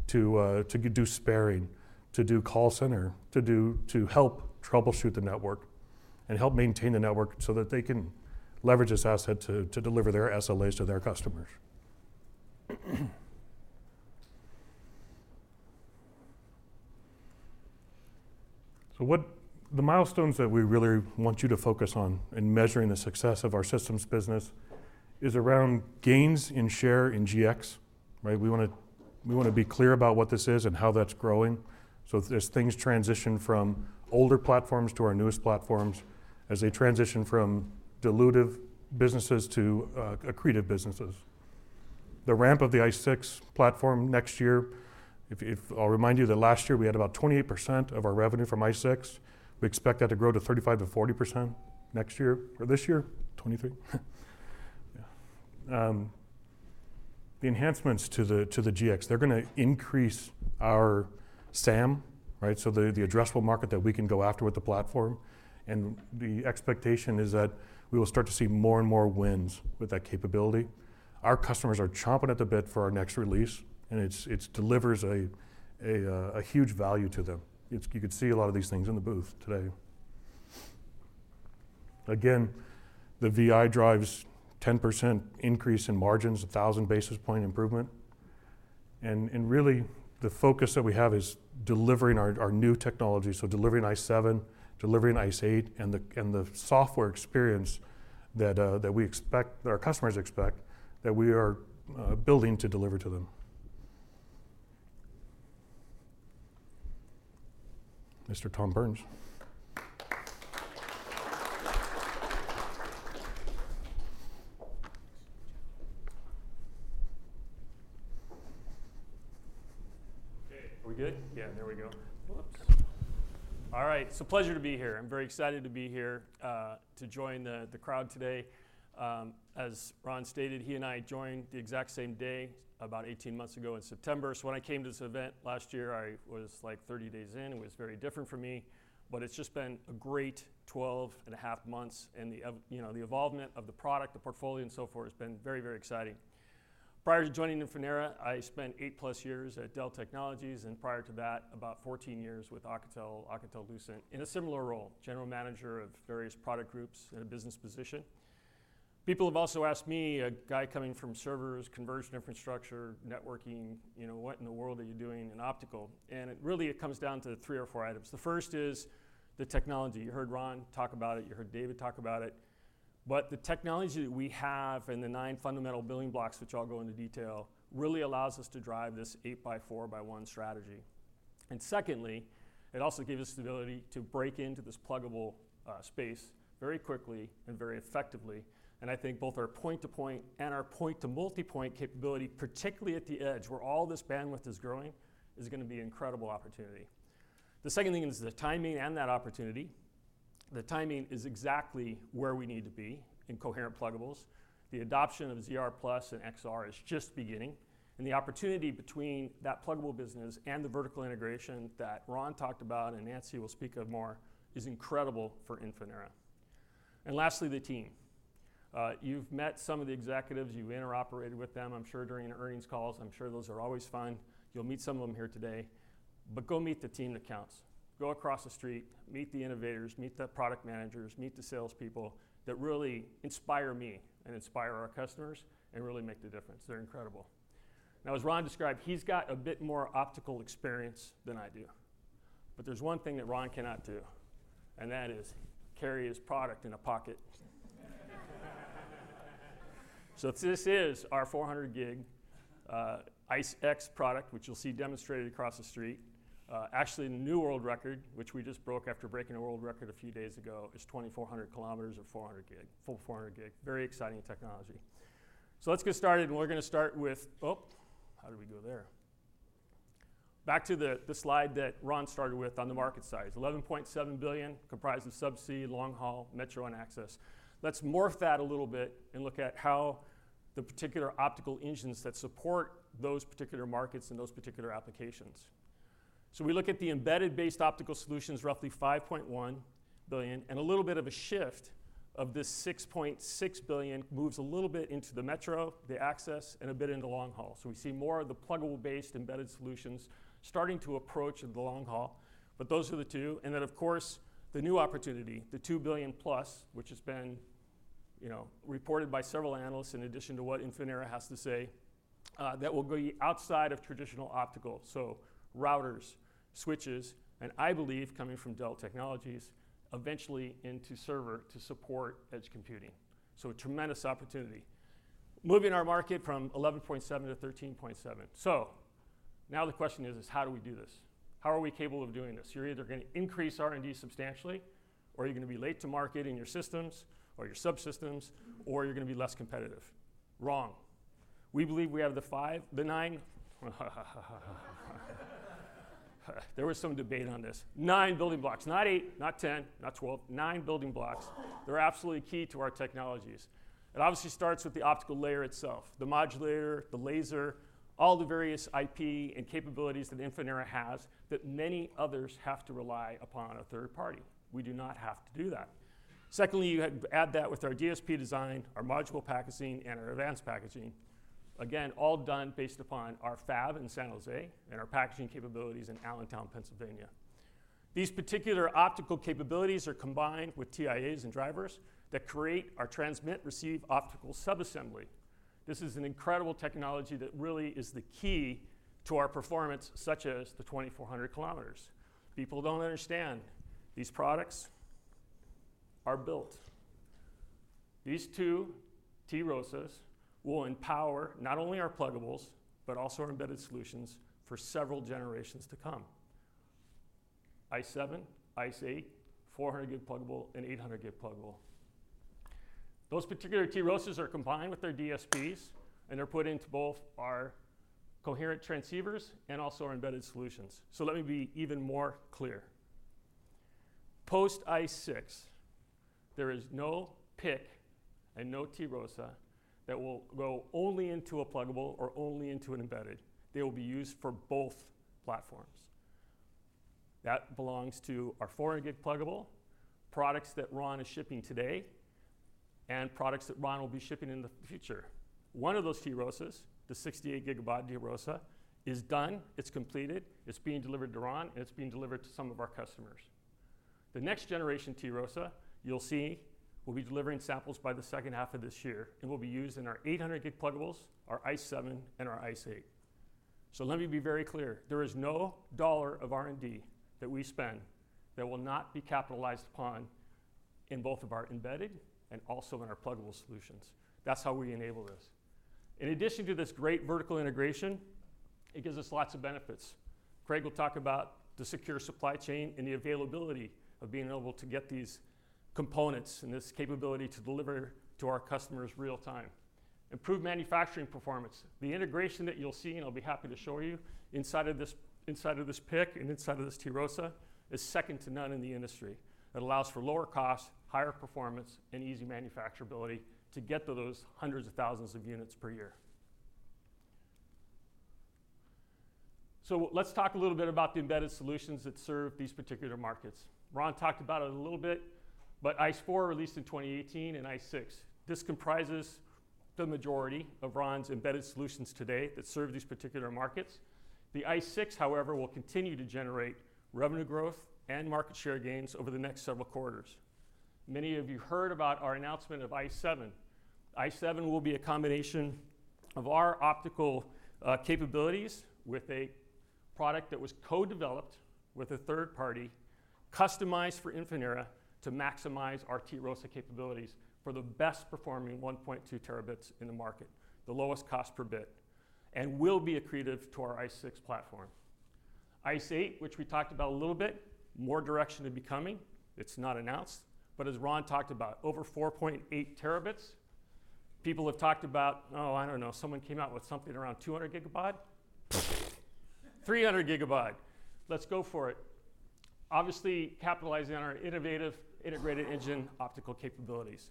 to do sparing, to do call center, to help troubleshoot the network, and help maintain the network so that they can leverage this asset to deliver their SLAs to their customers. What the milestones that we really want you to focus on in measuring the success of our systems business is around gains in share in GX, right? We wanna be clear about what this is and how that's growing. As things transition from older platforms to our newest platforms, as they transition from dilutive businesses to accretive businesses. The ramp of the ICE6 platform next year. I'll remind you that last year we had about 28% of our revenue from ICE6. We expect that to grow to 35%-40% next year, or this year. 2023. Yeah. The enhancements to the GX, they're gonna increase our SAM, right? The addressable market that we can go after with the platform, and the expectation is that we will start to see more and more wins with that capability. Our customers are chomping at the bit for our next release. It's delivers a huge value to them. You could see a lot of these things in the booth today. Again, the VI drives 10% increase in margins, a 1,000 basis point improvement, and really the focus that we have is delivering our new technology, so delivering ICE7, delivering ICE8, and the software experience that we expect, that our customers expect, that we are building to deliver to them. Mr. Tom Burns. Okay. Are we good? Yeah, there we go. Whoops. All right. It's a pleasure to be here. I'm very excited to be here to join the crowd today. As Ron stated, he and I joined the exact same day about 18 months ago in September. When I came to this event last year, I was, like, 30 days in. It was very different for me, but it's just been a great 12 and a half months, and you know, the evolvement of the product, the portfolio and so forth has been very, very exciting. Prior to joining Infinera, I spent 8+ years at Dell Technologies, and prior to that, about 14 years with Alcatel-Lucent in a similar role, general manager of various product groups in a business position. People have also asked me, a guy coming from servers, conversion infrastructure, networking, you know, "What in the world are you doing in optical?" It really, it comes down to three or four items. The first is the technology. You heard Ron talk about it, you heard David talk about it, but the technology that we have and the nine fundamental building blocks, which I'll go into detail, really allows us to drive this 8x4x1 strategy. Secondly, it also gives us the ability to break into this pluggable space very quickly and very effectively, and I think both our point-to-point and our point-to-multipoint capability, particularly at the edge, where all this bandwidth is growing, is gonna be an incredible opportunity. The second thing is the timing and that opportunity. The timing is exactly where we need to be in coherent pluggables. The adoption of ZR+ and XR is just beginning, and the opportunity between that pluggable business and the vertical integration that Ron talked about and Nancy will speak of more is incredible for Infinera. Lastly, the team. You've met some of the executives. You've interoperated with them, I'm sure, during earnings calls. I'm sure those are always fun. You'll meet some of them here today. Go meet the team that counts. Go across the street, meet the innovators, meet the product managers, meet the salespeople that really inspire me and inspire our customers and really make the difference. They're incredible. Now, as Ron described, he's got a bit more optical experience than I do. There's one thing that Ron cannot do, and that is carry his product in a pocket. This is our 400 Gb ICE-X product, which you'll see demonstrated across the street. Actually, the new world record, which we just broke after breaking a world record a few days ago, is 2,400 km or 400 Gb. Full 400 Gb. Very exciting technology. Let's get started, and we're gonna start with... Oh, how did we go there? Back to the slide that Ron started with on the market size. $11.7 billion, comprised of subsea, long haul, metro, and access. Let's morph that a little bit and look at how the particular optical engines that support those particular markets and those particular applications. We look at the embedded-based optical solutions, roughly $5.1 billion, and a little bit of a shift of this $6.6 billion moves a little bit into the metro, the access, and a bit into long haul. We see more of the pluggable-based embedded solutions starting to approach the long haul, but those are the two. Then of course, the new opportunity, the $2 billion-plus, which has been you know, reported by several analysts in addition to what Infinera has to say, that will go outside of traditional optical. Routers, switches, and I believe coming from Dell Technologies, eventually into server to support edge computing. A tremendous opportunity. Moving our market from $11.7 to $13.7. Now the question is how do we do this? How are we capable of doing this? You're either gonna increase R&D substantially, or you're gonna be late to market in your systems or your subsystems, or you're gonna be less competitive. Wrong. We believe we have the nine. There was some debate on this nine building blocks. Not eight, not 10, not 12, nine building blocks. They're absolutely key to our technologies. It obviously starts with the optical layer itself, the modulator, the laser, all the various IP and capabilities that Infinera has that many others have to rely upon a third party. We do not have to do that. Secondly, you add that with our DSP design, our module packaging, and our advanced packaging, again, all done based upon our fab in San Jose and our packaging capabilities in Allentown, Pennsylvania. These particular optical capabilities are combined with TIAs and drivers that create our transmit/receive optical sub-assembly. This is an incredible technology that really is the key to our performance, such as the 2,400 km. People don't understand. These products are built. These two TROSA will empower not only our pluggables but also our embedded solutions for several generations to come. ICE7, ICE8, 400 Gb pluggable, and 800 Gb pluggable. Those particular TROSAs are combined with their DSPs, and they're put into both our coherent transceivers and also our embedded solutions. Let me be even more clear. Post ICE6, there is no PIC and no TROSA that will go only into a pluggable or only into an embedded. They will be used for both platforms. That belongs to our 400 Gb pluggable, products that Ron is shipping today, and products that Ron will be shipping in the future. One of those TROSAs, the 68 Gb TROSA, is done, it's completed, it's being delivered to Ron, and it's being delivered to some of our customers. The next generation TROSA, you'll see, we'll be delivering samples by the second half of this year and will be used in our 800 Gb pluggables, our ICE7, and our ICE8. Let me be very clear. There is no dollar of R&D that we spend that will not be capitalized upon in both of our embedded and also in our pluggable solutions. That's how we enable this. In addition to this great vertical integration, it gives us lots of benefits. Craig will talk about the secure supply chain and the availability of being able to get these components and this capability to deliver to our customers real time. Improved manufacturing performance. The integration that you'll see, and I'll be happy to show you, inside of this PIC and inside of this TROSA is second to none in the industry. It allows for lower cost, higher performance, and easy manufacturability to get to those hundreds of thousands of units per year. Let's talk a little bit about the embedded solutions that serve these particular markets. Ron talked about it a little bit, but ICE4 released in 2018 and ICE6. This comprises the majority of Ron's embedded solutions today that serve these particular markets. The ICE6, however, will continue to generate revenue growth and market share gains over the next several quarters. Many of you heard about our announcement of ICE7. ICE7 will be a combination of our optical capabilities with a product that was co-developed with a third party, customized for Infinera to maximize our TROSA capabilities for the best performing 1.2 Tb in the market, the lowest cost per bit, and will be accretive to our ICE6 platform. ICE8, which we talked about a little bit, more direction to be coming. It's not announced. As Ron talked about, over 4.8 Tb. People have talked about, oh, I don't know, someone came out with something around 200 gigabaud. 300 gigabaud. Let's go for it. Obviously, capitalizing on our innovative integrated engine optical capabilities.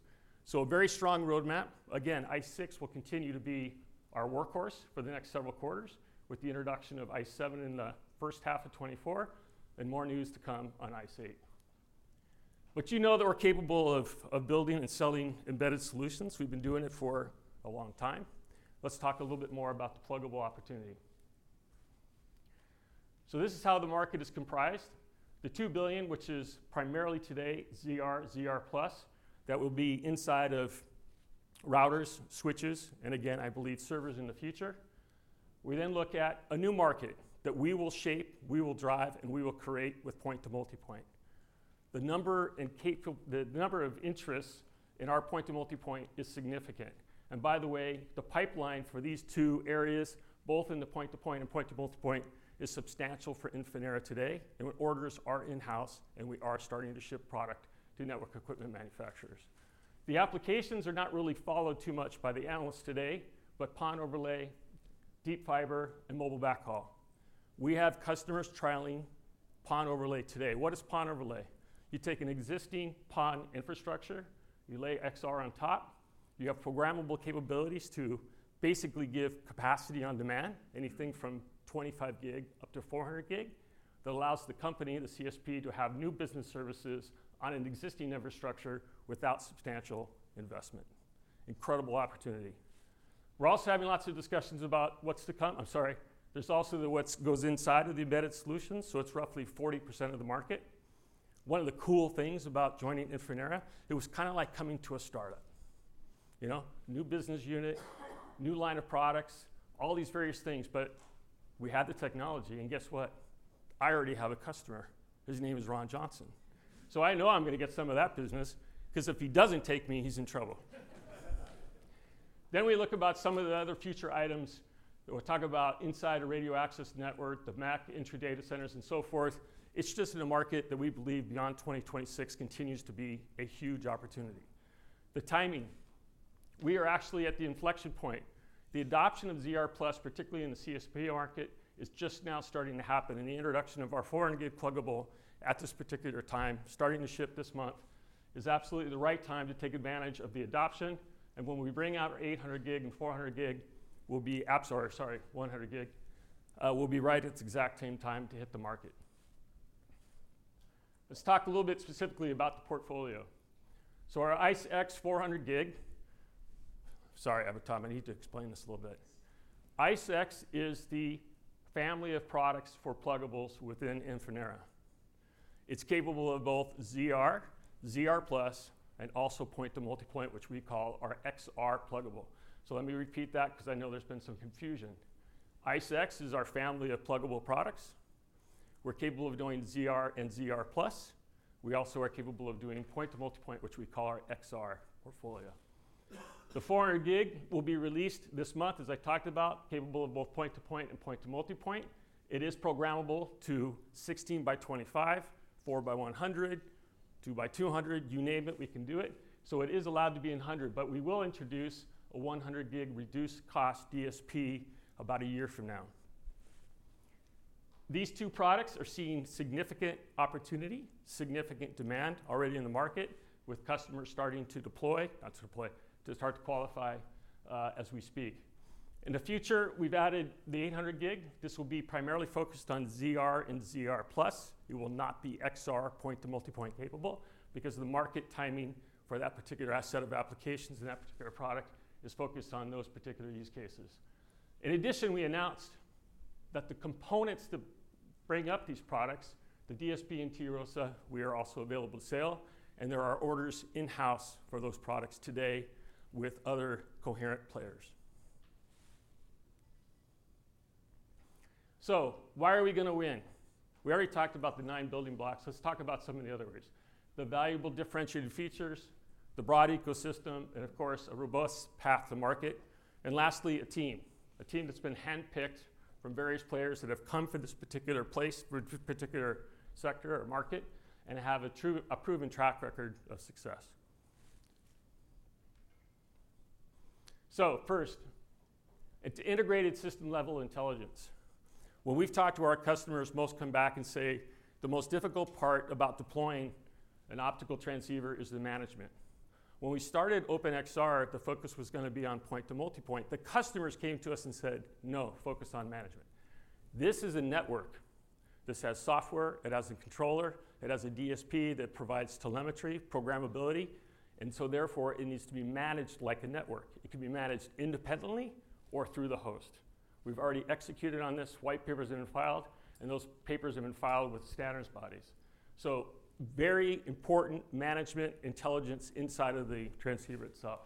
A very strong roadmap. Again, ICE6 will continue to be our workhorse for the next several quarters with the introduction of ICE7 in the first half of 2024 and more news to come on ICE8. You know that we're capable of building and selling embedded solutions. We've been doing it for a long time. Let's talk a little bit more about the pluggable opportunity. This is how the market is comprised. The $2 billion, which is primarily today ZR, ZR+, that will be inside of routers, switches, and again, I believe servers in the future. We look at a new market that we will shape, we will drive, and we will create with point-to-multipoint. The number of interests in our point-to-multipoint is significant. By the way, the pipeline for these two areas, both in the point-to-point and point-to-multipoint, is substantial for Infinera today, and orders are in-house, and we are starting to ship product to network equipment manufacturers. The applications are not really followed too much by the analysts today, PON overlay, deep fiber, and mobile backhaul. We have customers trialing PON overlay today. What is PON overlay? You take an existing PON infrastructure, you lay XR on top. You have programmable capabilities to basically give capacity on demand, anything from 25 Gb up to 400 Gb, that allows the company, the CSP, to have new business services on an existing infrastructure without substantial investment. Incredible opportunity. We're also having lots of discussions about what's to come. I'm sorry. There's also the what's goes inside of the embedded solutions, so it's roughly 40% of the market. One of the cool things about joining Infinera, it was kinda like coming to a startup. You know? New business unit, new line of products, all these various things. We have the technology. Guess what? I already have a customer. His name is Ron Johnson. I know I'm gonna get some of that business, 'cause if he doesn't take me, he's in trouble. We look about some of the other future items that we'll talk about inside a radio access network, the MAC intra data centers, and so forth. It's just in a market that we believe beyond 2026 continues to be a huge opportunity. The timing, we are actually at the inflection point. The adoption of ZR+, particularly in the CSP market, is just now starting to happen, and the introduction of our 400 Gb pluggable at this particular time, starting to ship this month, is absolutely the right time to take advantage of the adoption. When we bring out our 800 Gb and 400 Gb, we'll be or sorry, 100 Gb, we'll be right at this exact same time to hit the market. Let's talk a little bit specifically about the portfolio. Our ICE-X 400 Gb. Sorry, Avatar, I need to explain this a little bit. ICE-X is the family of products for pluggables within Infinera. It's capable of both ZR+, and also point to multipoint, which we call our XR pluggable. Let me repeat that, 'cause I know there's been some confusion. ICE-X is our family of pluggable products. We're capable of doing ZR and ZR+. We also are capable of doing point to multipoint, which we call our XR portfolio. The 400 Gb will be released this month, as I talked about, capable of both point-to-point and point to multipoint. It is programmable to 16 by 25, four by 100, two by 200. You name it, we can do it. It is allowed to be in a 100, but we will introduce a 100 Gb reduced cost DSP about a year from now. These two products are seeing significant opportunity, significant demand already in the market, with customers starting to qualify as we speak. In the future, we've added the 800 Gb. This will be primarily focused on ZR and ZR+. It will not be XR point to multipoint capable because the market timing for that particular asset of applications and that particular product is focused on those particular use cases. In addition, we announced that the components that bring up these products, the DSP and TROSA, we are also available to sale, and there are orders in-house for those products today with other coherent players. Why are we gonna win? We already talked about the nine building blocks. Let's talk about some of the other ways. The valuable differentiated features, the broad ecosystem, and of course, a robust path to market. Lastly, a team that's been handpicked from various players that have come for this particular place, particular sector or market and have a proven track record of success. First, it's integrated system-level intelligence. When we've talked to our customers, most come back and say, "The most difficult part about deploying an optical transceiver is the management." When we started Open XR, the focus was gonna be on point to multipoint. The customers came to us and said, "No, focus on management." This is a network. This has software, it has a controller, it has a DSP that provides telemetry, programmability, therefore, it needs to be managed like a network. It can be managed independently or through the host. We've already executed on this. White paper's been filed, and those papers have been filed with standards bodies. Very important management intelligence inside of the transceiver itself.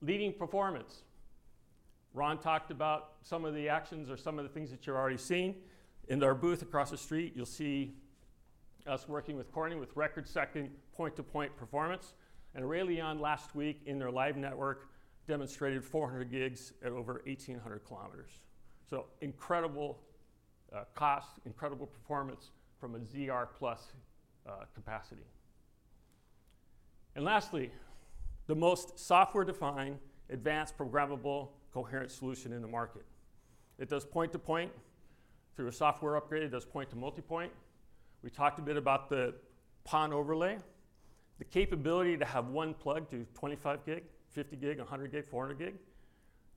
Leading performance. Ron talked about some of the actions or some of the things that you're already seeing. In our booth across the street, you'll see us working with Corning with record-setting point-to-point performance. Verizon last week in their live network demonstrated 400 Gb at over 1,800 km. incredible cost, incredible performance from a ZR+ capacity. lastly, the most software-defined, advanced, programmable, coherent solution in the market. It does point to point. Through a software upgrade, it does point to multipoint. We talked a bit about the PON overlay. The capability to have one plug do 25 Gb, 50 Gb, 100 Gb, 400 Gb.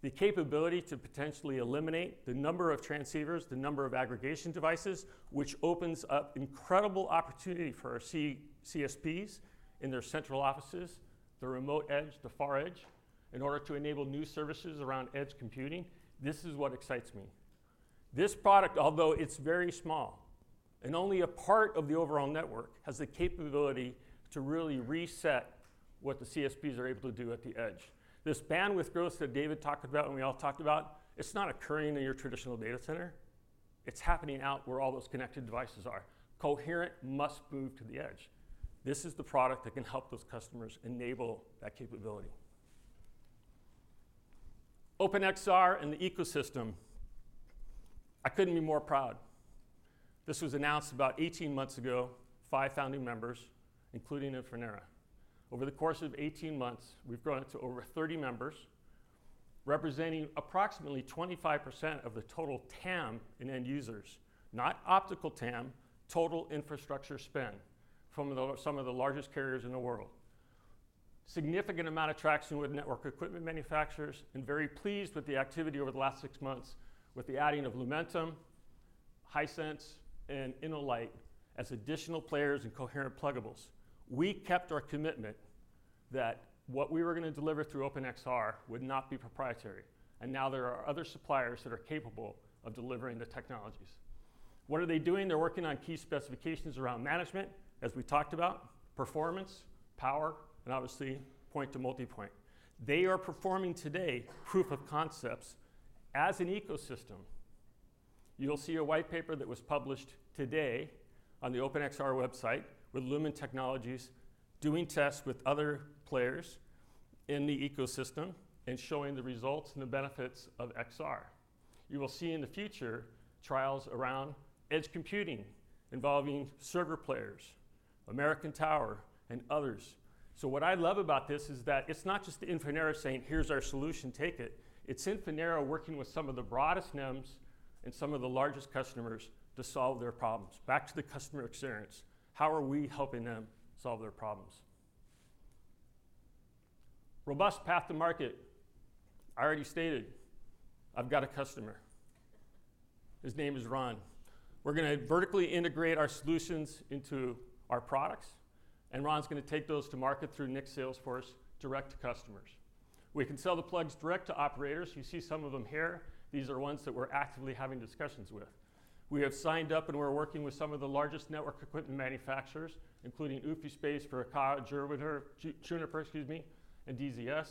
The capability to potentially eliminate the number of transceivers, the number of aggregation devices, which opens up incredible opportunity for our CSPs in their central offices, the remote edge, the far edge, in order to enable new services around edge computing. This is what excites me. This product, although it's very small and only a part of the overall network, has the capability to really reset what the CSPs are able to do at the edge. This bandwidth growth that David Heard talked about and we all talked about, it's not occurring in your traditional data center. It's happening out where all those connected devices are. Coherent must move to the edge. This is the product that can help those customers enable that capability. Open XR and the ecosystem, I couldn't be more proud. This was announced about 18 months ago, five founding members, including Infinera. Over the course of 18 months, we've grown to over 30 members, representing approximately 25% of the total TAM in end users, not optical TAM, total infrastructure spend, from some of the largest carriers in the world. Significant amount of traction with network equipment manufacturers and very pleased with the activity over the last six months with the adding of Lumentum, Hisense and Innolight as additional players and coherent pluggables. We kept our commitment that what we were going to deliver through Open XR would not be proprietary. Now there are other suppliers that are capable of delivering the technologies. What are they doing? They're working on key specifications around management, as we talked about, performance, power, and obviously, point-to-multipoint. They are performing today proof of concepts as an ecosystem. You'll see a white paper that was published today on the Open XR website with Lumen Technologies doing tests with other players in the ecosystem and showing the results and the benefits of XR. You will see in the future trials around edge computing involving server players, American Tower, and others. What I love about this is that it's not just Infinera saying, "Here's our solution, take it." It's Infinera working with some of the broadest MEMS and some of the largest customers to solve their problems. Back to the customer experience. How are we helping them solve their problems? Robust path to market. I already stated I've got a customer. His name is Ron. We're going to vertically integrate our solutions into our products, and Ron's going to take those to market through Nick's sales force direct to customers. We can sell the plugs direct to operators. You see some of them here. These are ones that we're actively having discussions with. We have signed up and we're working with some of the largest network equipment manufacturers, including UfiSpace, Arrcus, Juniper, excuse me, and DZS.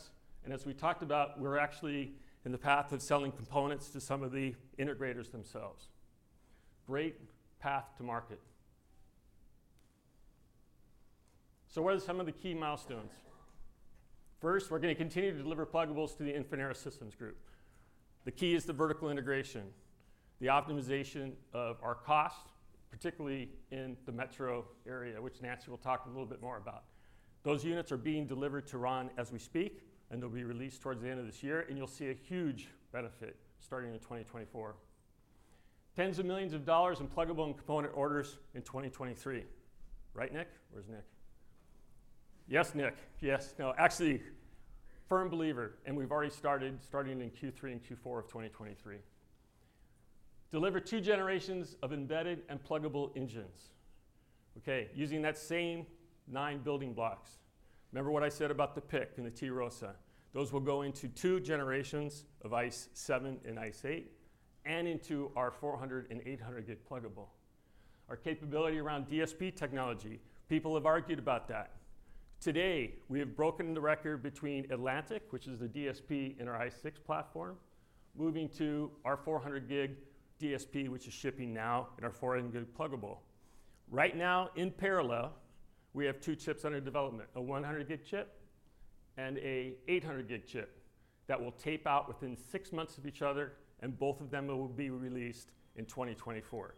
As we talked about, we're actually in the path of selling components to some of the integrators themselves. Great path to market. What are some of the key milestones? First, we're going to continue to deliver pluggables to the Infinera Systems group. The key is the vertical integration, the optimization of our cost, particularly in the metro area, which Nancy will talk a little bit more about. Those units are being delivered to Ron as we speak, and they'll be released towards the end of this year, and you'll see a huge benefit starting in 2024. Tens of millions of dollars in pluggable and component orders in 2023. Right, Nick? Where's Nick? Yes, Nick. Yes. No, actually, firm believer, and we've already started starting in Q3 and Q4 of 2023. Deliver two generations of embedded and pluggable engines, okay, using that same nine building blocks. Remember what I said about the PIC and the TROSA. Those will go into two generations of ICE7 and ICE8 and into our 400 and 800 Gb pluggable. Our capability around DSP technology, people have argued about that. Today, we have broken the record between Atlas, which is the DSP in our ICE6 platform, moving to our 400 Gb DSP, which is shipping now, and our 400 Gb pluggable. Right now, in parallel, we have two chips under development, a 100 Gb chip and an 800 Gb chip that will tape out within six months of each other. Both of them will be released in 2024.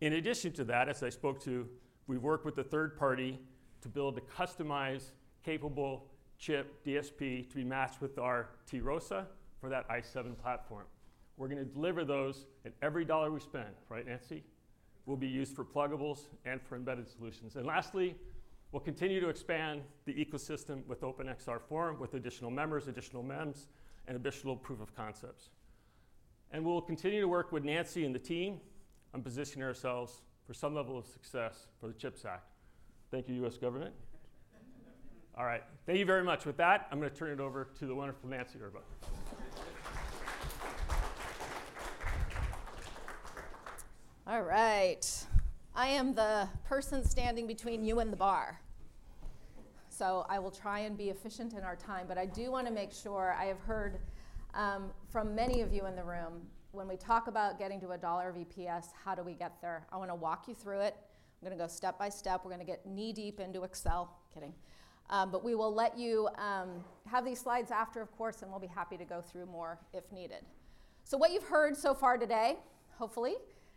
In addition to that, as I spoke to, we've worked with a third party to build a customized capable chip DSP to be matched with our TROSA for that ICE7 platform. We're going to deliver those. Every dollar we spend, right, Nancy, will be used for pluggables and for embedded solutions. Lastly, we'll continue to expand the ecosystem with Open XR Forum with additional members, additional MEMS, and additional proof of concepts. We'll continue to work with Nancy and the team on positioning ourselves for some level of success for the CHIPS Act. Thank you, U.S. government. All right. Thank you very much. With that, I'm going to turn it over to the wonderful Nancy Erba. All right. I am the person standing between you and the bar. I will try and be efficient in our time, but I do want to make sure I have heard from many of you in the room, when we talk about getting to $1 VPS, how do we get there? I want to walk you through it. I'm going to go step by step. We're going to get knee-deep into Excel. Kidding. We will let you have these slides after, of course, and we'll be happy to go through more if needed. What you've heard so far today, hopefully,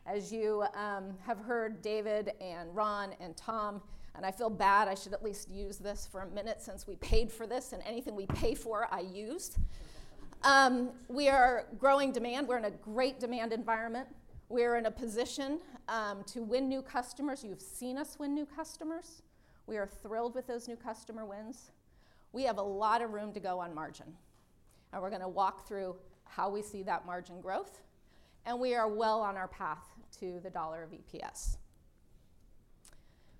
as you have heard David Heard and Ron Johnson and Tom Burns, and I feel bad, I should at least use this for a minute since we paid for this, and anything we pay for, I used. We are growing demand. We're in a great demand environment. We're in a position to win new customers. You've seen us win new customers. We are thrilled with those new customer wins. We have a lot of room to go on margin. We're going to walk through how we see that margin growth, and we are well on our path to the dollar EPS.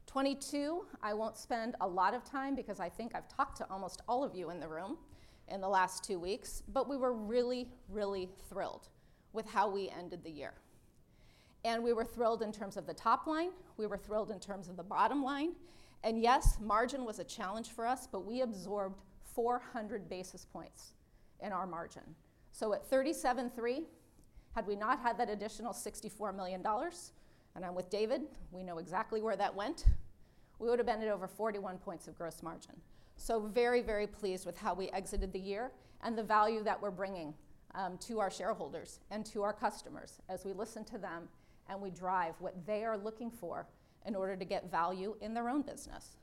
2022 I won't spend a lot of time because I think I've talked to almost all of you in the room in the last two weeks, but we were really thrilled with how we ended the year. We were thrilled in terms of the top line. We were thrilled in terms of the bottom line. Yes, margin was a challenge for us, but we absorbed 400 basis points in our margin. At 37.3, had we not had that additional $64 million, and I'm with David, we know exactly where that went, we would have ended over 41 points of gross margin. Very, very pleased with how we exited the year and the value that we're bringing to our shareholders and to our customers as we listen to them and we drive what they are looking for in order to get value in their own business.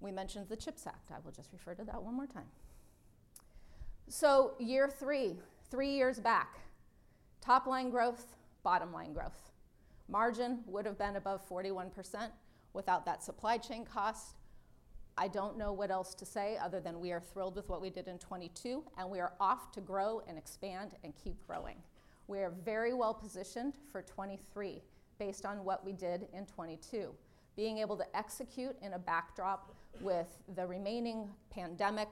We mentioned the CHIPS Act. I will just refer to that one more time. Year three, three years back, top line growth, bottom line growth. Margin would have been above 41% without that supply chain cost. I don't know what else to say other than we are thrilled with what we did in 2022, and we are off to grow and expand and keep growing. We are very well-positioned for 2023 based on what we did in 2022, being able to execute in a backdrop with the remaining pandemic,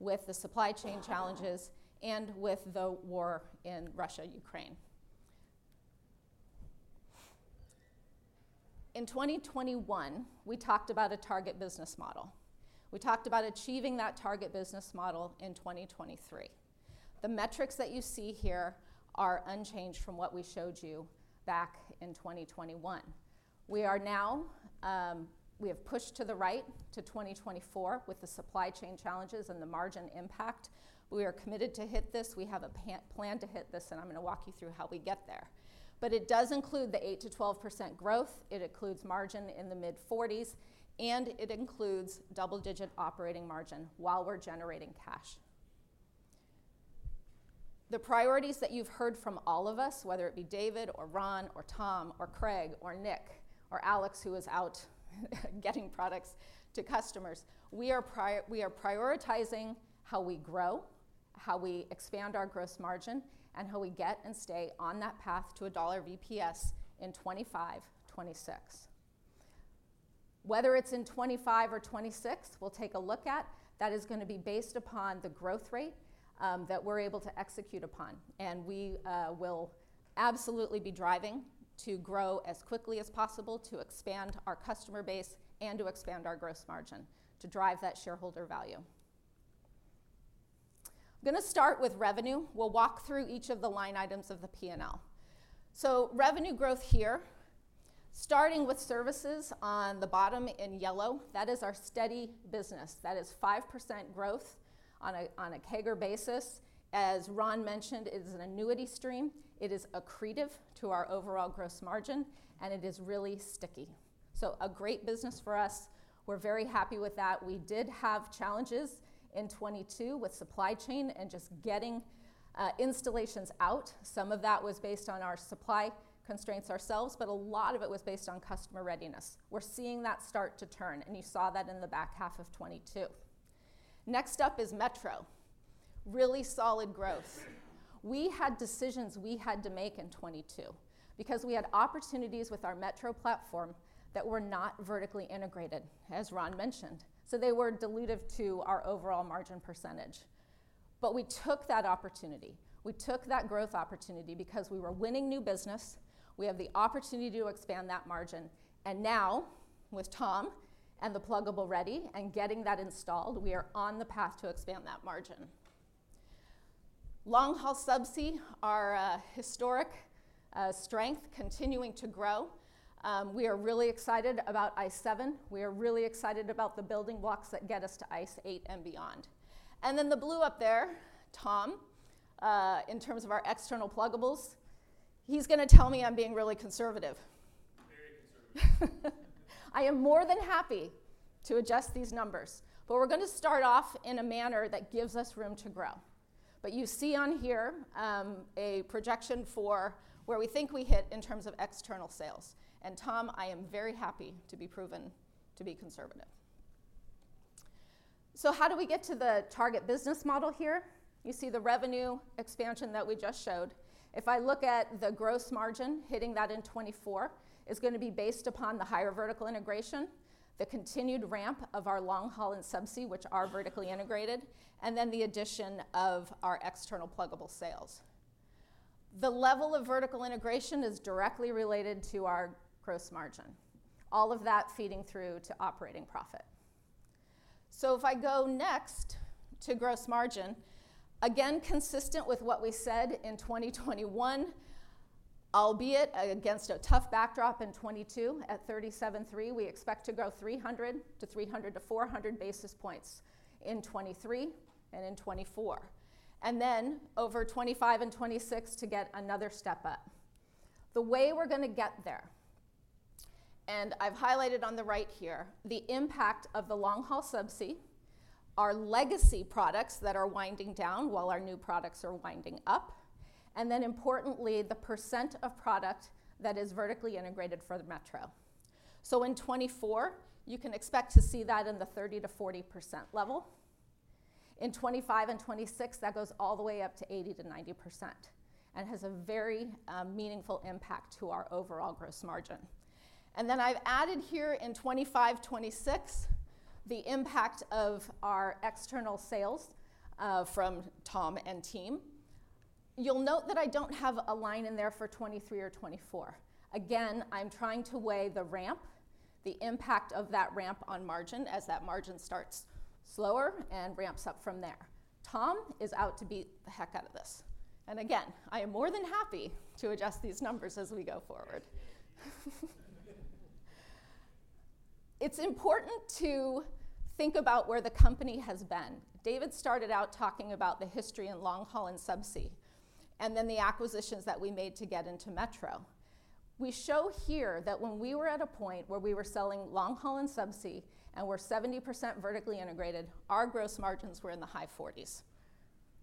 with the supply chain challenges, and with the war in Russia, Ukraine. In 2021, we talked about a target business model. We talked about achieving that target business model in 2023. The metrics that you see here are unchanged from what we showed you back in 2021. We are now, we have pushed to the right to 2024 with the supply chain challenges and the margin impact. We are committed to hit this. We have a plan to hit this, and I'm gonna walk you through how we get there. It does include the 8%-12% growth, it includes margin in the mid-40s, and it includes double-digit operating margin while we're generating cash. The priorities that you've heard from all of us, whether it be David or Ron or Tom or Craig or Nick or Alex, who is out getting products to customers, we are prioritizing how we grow, how we expand our gross margin, and how we get and stay on that path to a $1 EPS in 2025, 2026. Whether it's in 2025 or 2026, we'll take a look at. That is gonna be based upon the growth rate that we're able to execute upon. We will absolutely be driving to grow as quickly as possible to expand our customer base and to expand our gross margin to drive that shareholder value. I'm gonna start with revenue. We'll walk through each of the line items of the P&L. Revenue growth here, starting with services on the bottom in yellow, that is our steady business. That is 5% growth on a CAGR basis. As Ron mentioned, it is an annuity stream. It is accretive to our overall gross margin, and it is really sticky. A great business for us. We're very happy with that. We did have challenges in 2022 with supply chain and just getting installations out. Some of that was based on our supply constraints ourselves, but a lot of it was based on customer readiness. We're seeing that start to turn, and you saw that in the back half of 2022. Next up is metro. Really solid growth. We had decisions we had to make in 22 because we had opportunities with our metro platform that were not vertically integrated, as Ron mentioned. They were dilutive to our overall margin percent. We took that opportunity. We took that growth opportunity because we were winning new business. We have the opportunity to expand that margin. Now, with Tom and the pluggable ready and getting that installed, we are on the path to expand that margin. Long-haul subsea, our historic strength continuing to grow. We are really excited about ICE7. We are really excited about the building blocks that get us to ICE8 and beyond. The blue up there, Tom, in terms of our external pluggables, he's gonna tell me I'm being really conservative. I am more than happy to adjust these numbers, we're gonna start off in a manner that gives us room to grow. You see on here, a projection for where we think we hit in terms of external sales. Tom, I am very happy to be proven to be conservative. How do we get to the target business model here? You see the revenue expansion that we just showed. I look at the gross margin, hitting that in 2024 is gonna be based upon the higher vertical integration, the continued ramp of our long-haul and subsea, which are vertically integrated, and then the addition of our external pluggable sales. The level of vertical integration is directly related to our gross margin, all of that feeding through to operating profit. If I go next to gross margin, again, consistent with what we said in 2021, albeit against a tough backdrop in 2022, at 37.3%, we expect to grow 300 to 400 basis points in 2023 and in 2024, and then over 2025 and 2026 to get another step up. The way we're gonna get there, and I've highlighted on the right here, the impact of the long-haul subsea, our legacy products that are winding down while our new products are winding up, and then importantly, the percent of product that is vertically integrated for the metro. In 2024, you can expect to see that in the 30%-40% level. In 2025 and 2026, that goes all the way up to 80%-90% and has a very meaningful impact to our overall gross margin. I've added here in 2025, 2026, the impact of our external sales from Tom and team. You'll note that I don't have a line in there for 2023 or 2024. Again, I'm trying to weigh the ramp, the impact of that ramp on margin as that margin starts slower and ramps up from there. Tom is out to beat the heck out of this. Again, I am more than happy to adjust these numbers as we go forward. It's important to think about where the company has been. David started out talking about the history in long-haul and subsea, and then the acquisitions that we made to get into metro. We show here that when we were at a point where we were selling long-haul and subsea and were 70% vertically integrated, our gross margins were in the high 40s.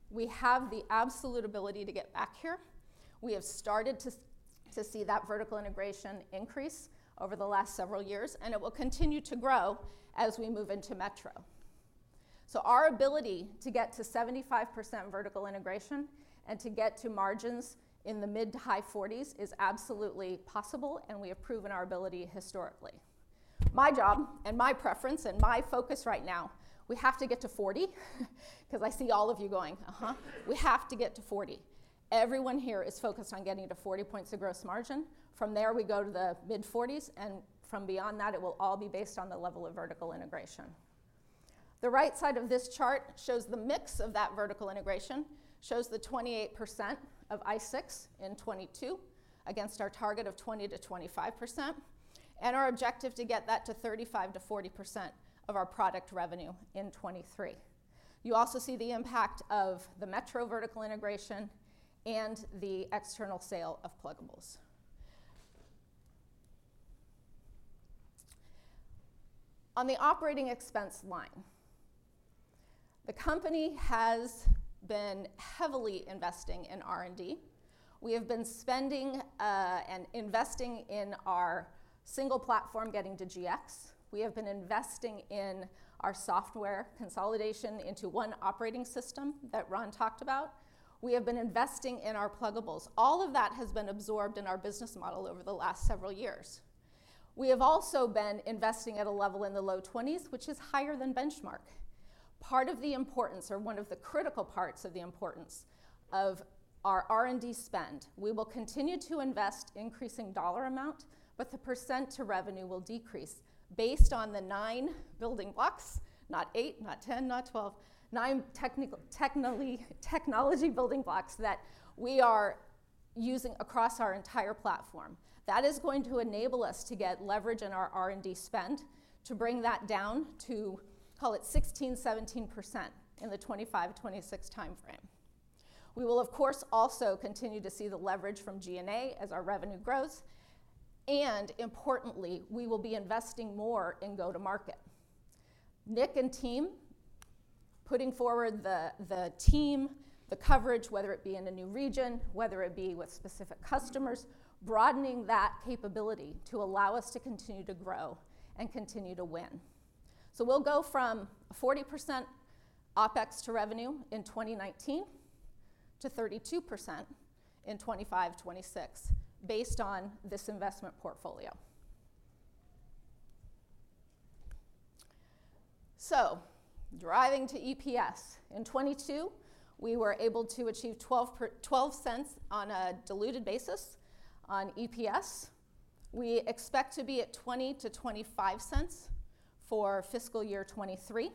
We have the absolute ability to get back here. We have started to see that vertical integration increase over the last several years. It will continue to grow as we move into metro. Our ability to get to 75% vertical integration and to get to margins in the mid to high 40s is absolutely possible. We have proven our ability historically. My job, and my preference, and my focus right now, we have to get to 40, 'cause I see all of you going. We have to get to 40. Everyone here is focused on getting to 40 points of gross margin. From there, we go to the mid-40s. From beyond that, it will all be based on the level of vertical integration. The right side of this chart shows the mix of that vertical integration, shows the 28% of ICE6 in 2022 against our target of 20%-25%. Our objective is to get that to 35%-40% of our product revenue in 2023. You also see the impact of the metro vertical integration and the external sale of pluggables. On the operating expense line, the company has been heavily investing in R&D. We have been spending, investing in our single platform getting to GX. We have been investing in our software consolidation into one operating system that Ron talked about. We have been investing in our pluggables. All of that has been absorbed in our business model over the last several years. We have also been investing at a level in the low 20s, which is higher than benchmark. Part of the importance or one of the critical parts of the importance of our R&D spend, we will continue to invest increasing dollar amount, but the percent to revenue will decrease based on the nine building blocks, not eight, not 10, not 12, nine technology building blocks that we are using across our entire platform. This is going to enable us to get leverage in our R&D spend to bring that down to, call it 16%-17% in the 2025, 2026 timeframe. We will, of course, also continue to see the leverage from G&A as our revenue grows. Importantly, we will be investing more in go-to-market. Nick and team, putting forward the team, the coverage, whether it be in a new region, whether it be with specific customers, broadening that capability to allow us to continue to grow and continue to win. We'll go from 40% OpEx to revenue in 2019 to 32% in 2025, 2026 based on this investment portfolio. Driving to EPS. In 2022, we were able to achieve $0.12 on a diluted basis on EPS. We expect to be at $0.20-$0.25 for fiscal year 2023,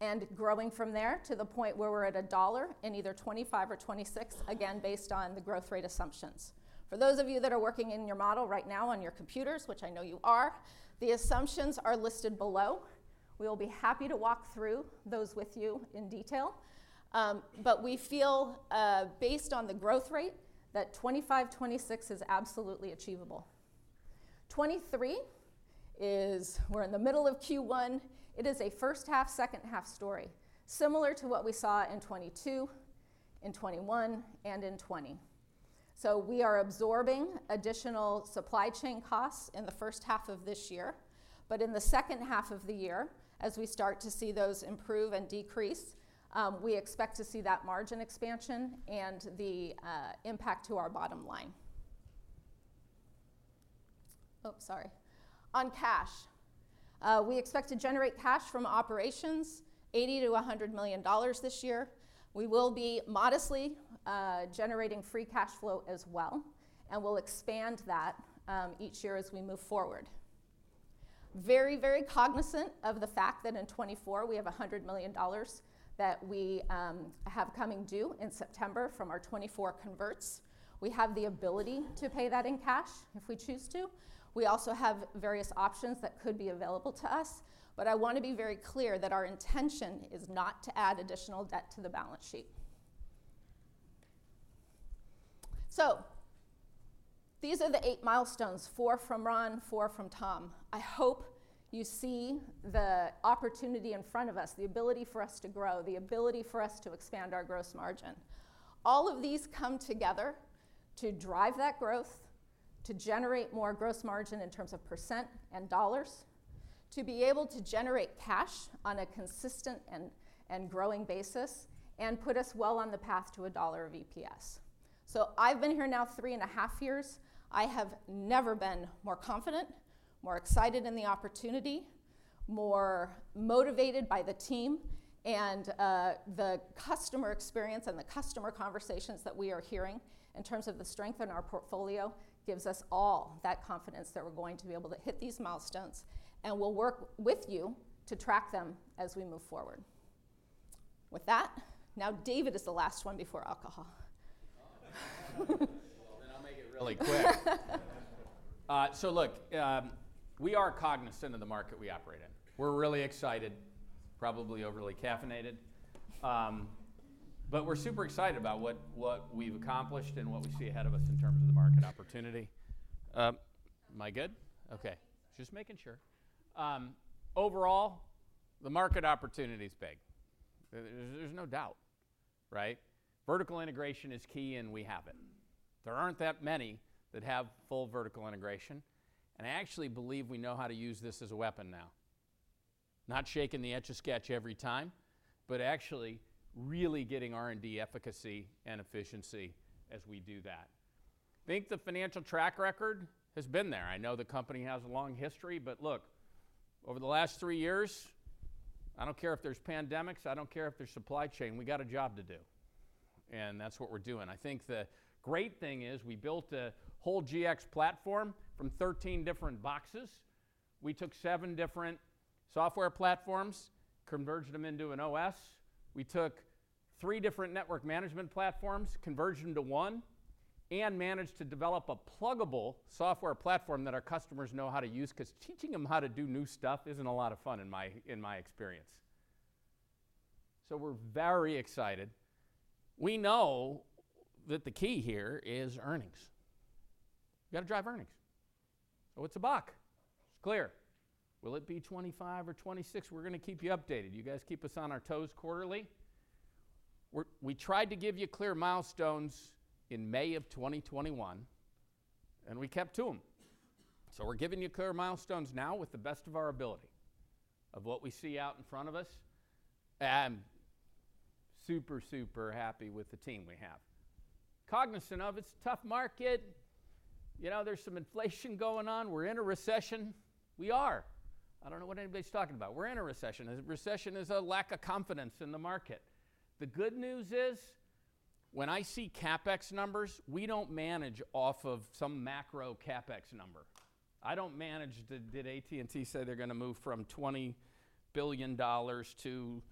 and growing from there to the point where we're at $1 in either 2025 or 2026, again, based on the growth rate assumptions. For those of you that are working in your model right now on your computers, which I know you are, the assumptions are listed below. We'll be happy to walk through those with you in detail, but we feel, based on the growth rate, that 2025, 2026 is absolutely achievable. 2023 is we're in the middle of Q1. It is a first half, second half story, similar to what we saw in 2022, 2021, and 2020. We are absorbing additional supply chain costs in the first half of this year, but in the second half of the year, as we start to see those improve and decrease, we expect to see that margin expansion and the impact to our bottom line. Oh, sorry. On cash, we expect to generate cash from operations $80 million-$100 million this year. We will be modestly generating free cash flow as well, and we'll expand that each year as we move forward. Very, very cognizant of the fact that in 2024, we have $100 million that we have coming due in September from our 2024 converts. We have the ability to pay that in cash if we choose to. We also have various options that could be available to us, I wanna be very clear that our intention is not to add additional debt to the balance sheet. These are the eight milestones, four from Ron, four from Tom. I hope you see the opportunity in front of us, the ability for us to grow, the ability for us to expand our gross margin. All of these come together to drive that growth, to generate more gross margin in terms of % and dollars, to be able to generate cash on a consistent and growing basis, and put us well on the path to $1 of EPS. I've been here now three and a half years. I have never been more confident, more excited in the opportunity, more motivated by the team, and the customer experience and the customer conversations that we are hearing in terms of the strength in our portfolio gives us all that confidence that we're going to be able to hit these milestones, and we'll work with you to track them as we move forward. With that, now David is the last one before alcohol. I'll make it really quick. We are cognizant of the market we operate in. We're really excited, probably overly caffeinated, but we're super excited about what we've accomplished and what we see ahead of us in terms of the market opportunity. Am I good? Okay. Just making sure. Overall, the market opportunity's big. There's no doubt, right? Vertical integration is key, and we have it. There aren't that many that have full vertical integration, and I actually believe we know how to use this as a weapon now. Not shaking the Etch A Sketch every time, but actually really getting R&D efficacy and efficiency as we do that. I think the financial track record has been there. I know the company has a long history. Look, over the last three years, I don't care if there's pandemics, I don't care if there's supply chain, we got a job to do, that's what we're doing. I think the great thing is we built a whole GX platform from 13 different boxes. We took seven different software platforms, converged them into an OS. We took three different network management platforms, converged them to one, managed to develop a pluggable software platform that our customers know how to use, 'cause teaching them how to do new stuff isn't a lot of fun in my experience. We're very excited. We know that the key here is earnings. We gotta drive earnings. It's $1. It's clear. Will it be $25 or $26? We're gonna keep you updated. You guys keep us on our toes quarterly. We tried to give you clear milestones in May of 2021, and we kept to them. We're giving you clear milestones now with the best of our ability of what we see out in front of us, and super happy with the team we have. Cognizant of it's a tough market. You know, there's some inflation going on. We're in a recession. We are. I don't know what anybody's talking about. We're in a recession. A recession is a lack of confidence in the market. The good news is, when I see CapEx numbers, we don't manage off of some macro CapEx number. I don't manage did AT&T say they're gonna move from $20 billion to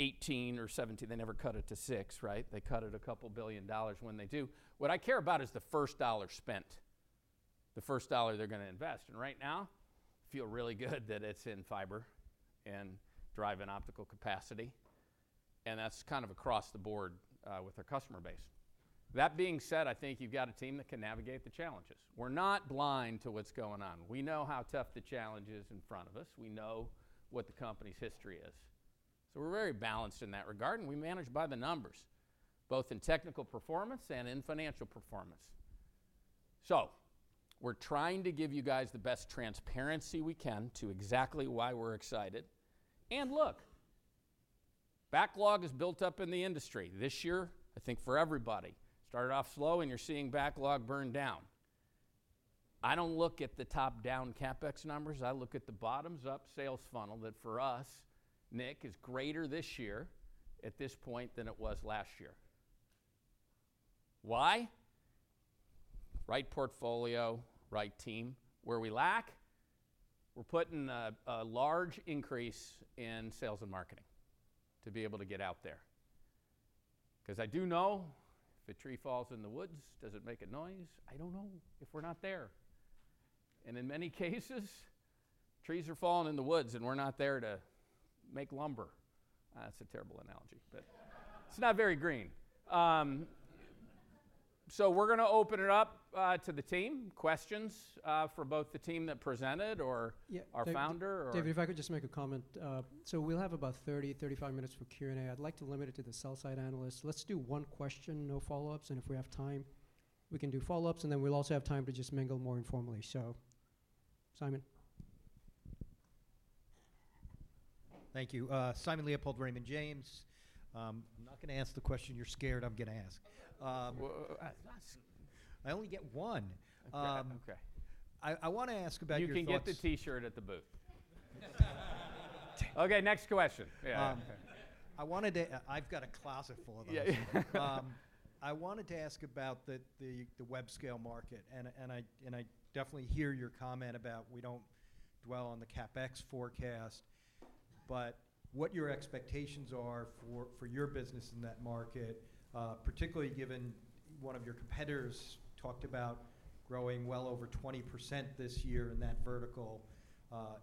18 or 17. They never cut it to six, right? They cut it a couple billion dollars when they do. What I care about is the first dollar spent, the first dollar they're gonna invest. Right now, feel really good that it's in fiber and driving optical capacity, and that's kind of across the board with our customer base. That being said, I think you've got a team that can navigate the challenges. We're not blind to what's going on. We know how tough the challenge is in front of us. We know what the company's history is. We're very balanced in that regard, and we manage by the numbers, both in technical performance and in financial performance. We're trying to give you guys the best transparency we can to exactly why we're excited. Look, backlog is built up in the industry. This year, I think for everybody, started off slow and you're seeing backlog burn down. I don't look at the top-down CapEx numbers. I look at the bottoms-up sales funnel that for us, Nick, is greater this year at this point than it was last year. Why? Right portfolio, right team. Where we lack, we're putting a large increase in sales and marketing to be able to get out there. 'Cause I do know if a tree falls in the woods, does it make a noise? I don't know if we're not there. In many cases, trees are falling in the woods, and we're not there to make lumber. That's a terrible analogy, but It's not very green. We're gonna open it up to the team. Questions for both the team that presented. Yeah, David- Our founder David, if I could just make a comment. We'll have about 30, 35 minutes for Q&A. I'd like to limit it to the sell side analysts. Let's do one question, no follow-ups, and if we have time, we can do follow-ups, and then we'll also have time to just mingle more informally. Simon. Thank you. Simon Leopold, Raymond James. I'm not gonna ask the question you're scared I'm gonna ask. Oh. I only get one. Okay. I wanna ask about your thoughts. You can get the T-shirt at the booth. Okay, next question. Yeah. I've got a closet full of them. Yeah, yeah. I wanted to ask about the web scale market, and I definitely hear your comment about we don't dwell on the CapEx forecast, but what your expectations are for your business in that market, particularly given one of your competitors talked about growing well over 20% this year in that vertical.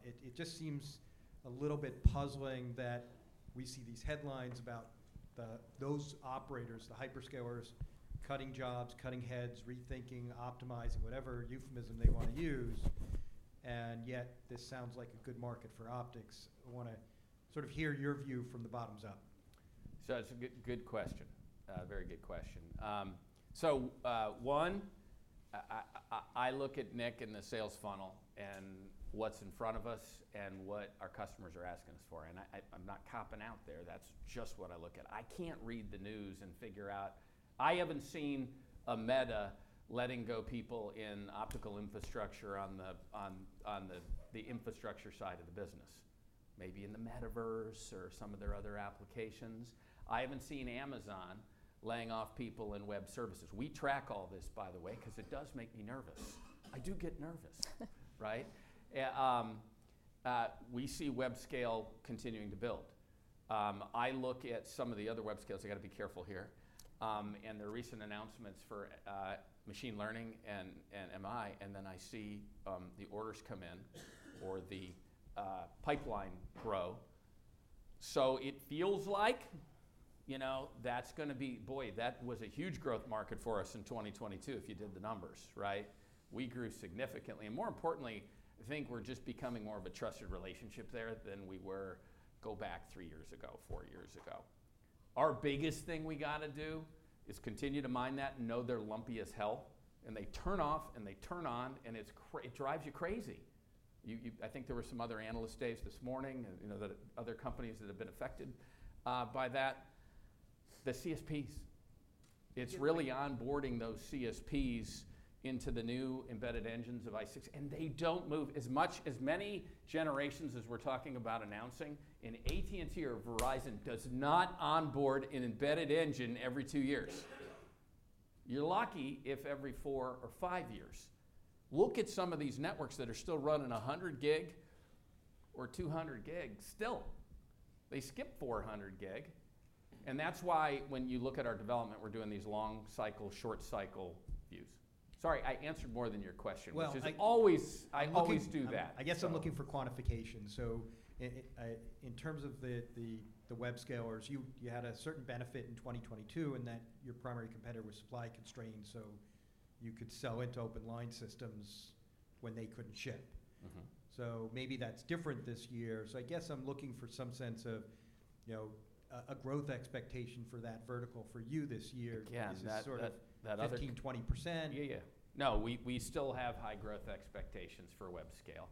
It, it just seems a little bit puzzling that we see these headlines about the, those operators, the hyperscalers, cutting jobs, cutting heads, rethinking, optimizing, whatever euphemism they wanna use, and yet this sounds like a good market for optics. I wanna sort of hear your view from the bottoms up. That's a good question. A very good question. One, I look at Nick and the sales funnel and what's in front of us and what our customers are asking us for, and I'm not copping out there. That's just what I look at. I can't read the news and I haven't seen a Meta letting go people in optical infrastructure on the infrastructure side of the business. Maybe in the metaverse or some of their other applications. I haven't seen Amazon laying off people in web services. We track all this, by the way, 'cause it does make me nervous. I do get nervous. Right? We see web scale continuing to build. I look at some of the other web scales, I gotta be careful here, and their recent announcements for machine learning and MI, and then I see the orders come in or the pipeline grow. It feels like, you know, that's gonna be. Boy, that was a huge growth market for us in 2022 if you did the numbers, right? We grew significantly. More importantly, I think we're just becoming more of a trusted relationship there than we were go back three years ago, four years ago. Our biggest thing we gotta do is continue to mine that and know they're lumpy as hell, and they turn off, and they turn on, and it drives you crazy. You, I think there were some other analyst days this morning, you know, the other companies that have been affected by that. The CSPs. It's really onboarding those CSPs into the new embedded engines of ICE6, and they don't move as many generations as we're talking about announcing. An AT&T or Verizon does not onboard an embedded engine every two years. You're lucky if every four or five years. Look at some of these networks that are still running 100 Gb or 200 Gb still. They skip 400 Gb, and that's why when you look at our development, we're doing these long cycle, short cycle views. Sorry, I answered more than your question. Well. I always do that, so. I guess I'm looking for quantification. In terms of the web scalers, you had a certain benefit in 2022, and that your primary competitor was supply constrained, so you could sell into open line systems when they couldn't ship. Mm-hmm. Maybe that's different this year. I guess I'm looking for some sense of, you know, a growth expectation for that vertical for you this year. Yeah. Is this sort of 15%, 20%? Yeah, yeah. No, we still have high growth expectations for web scale,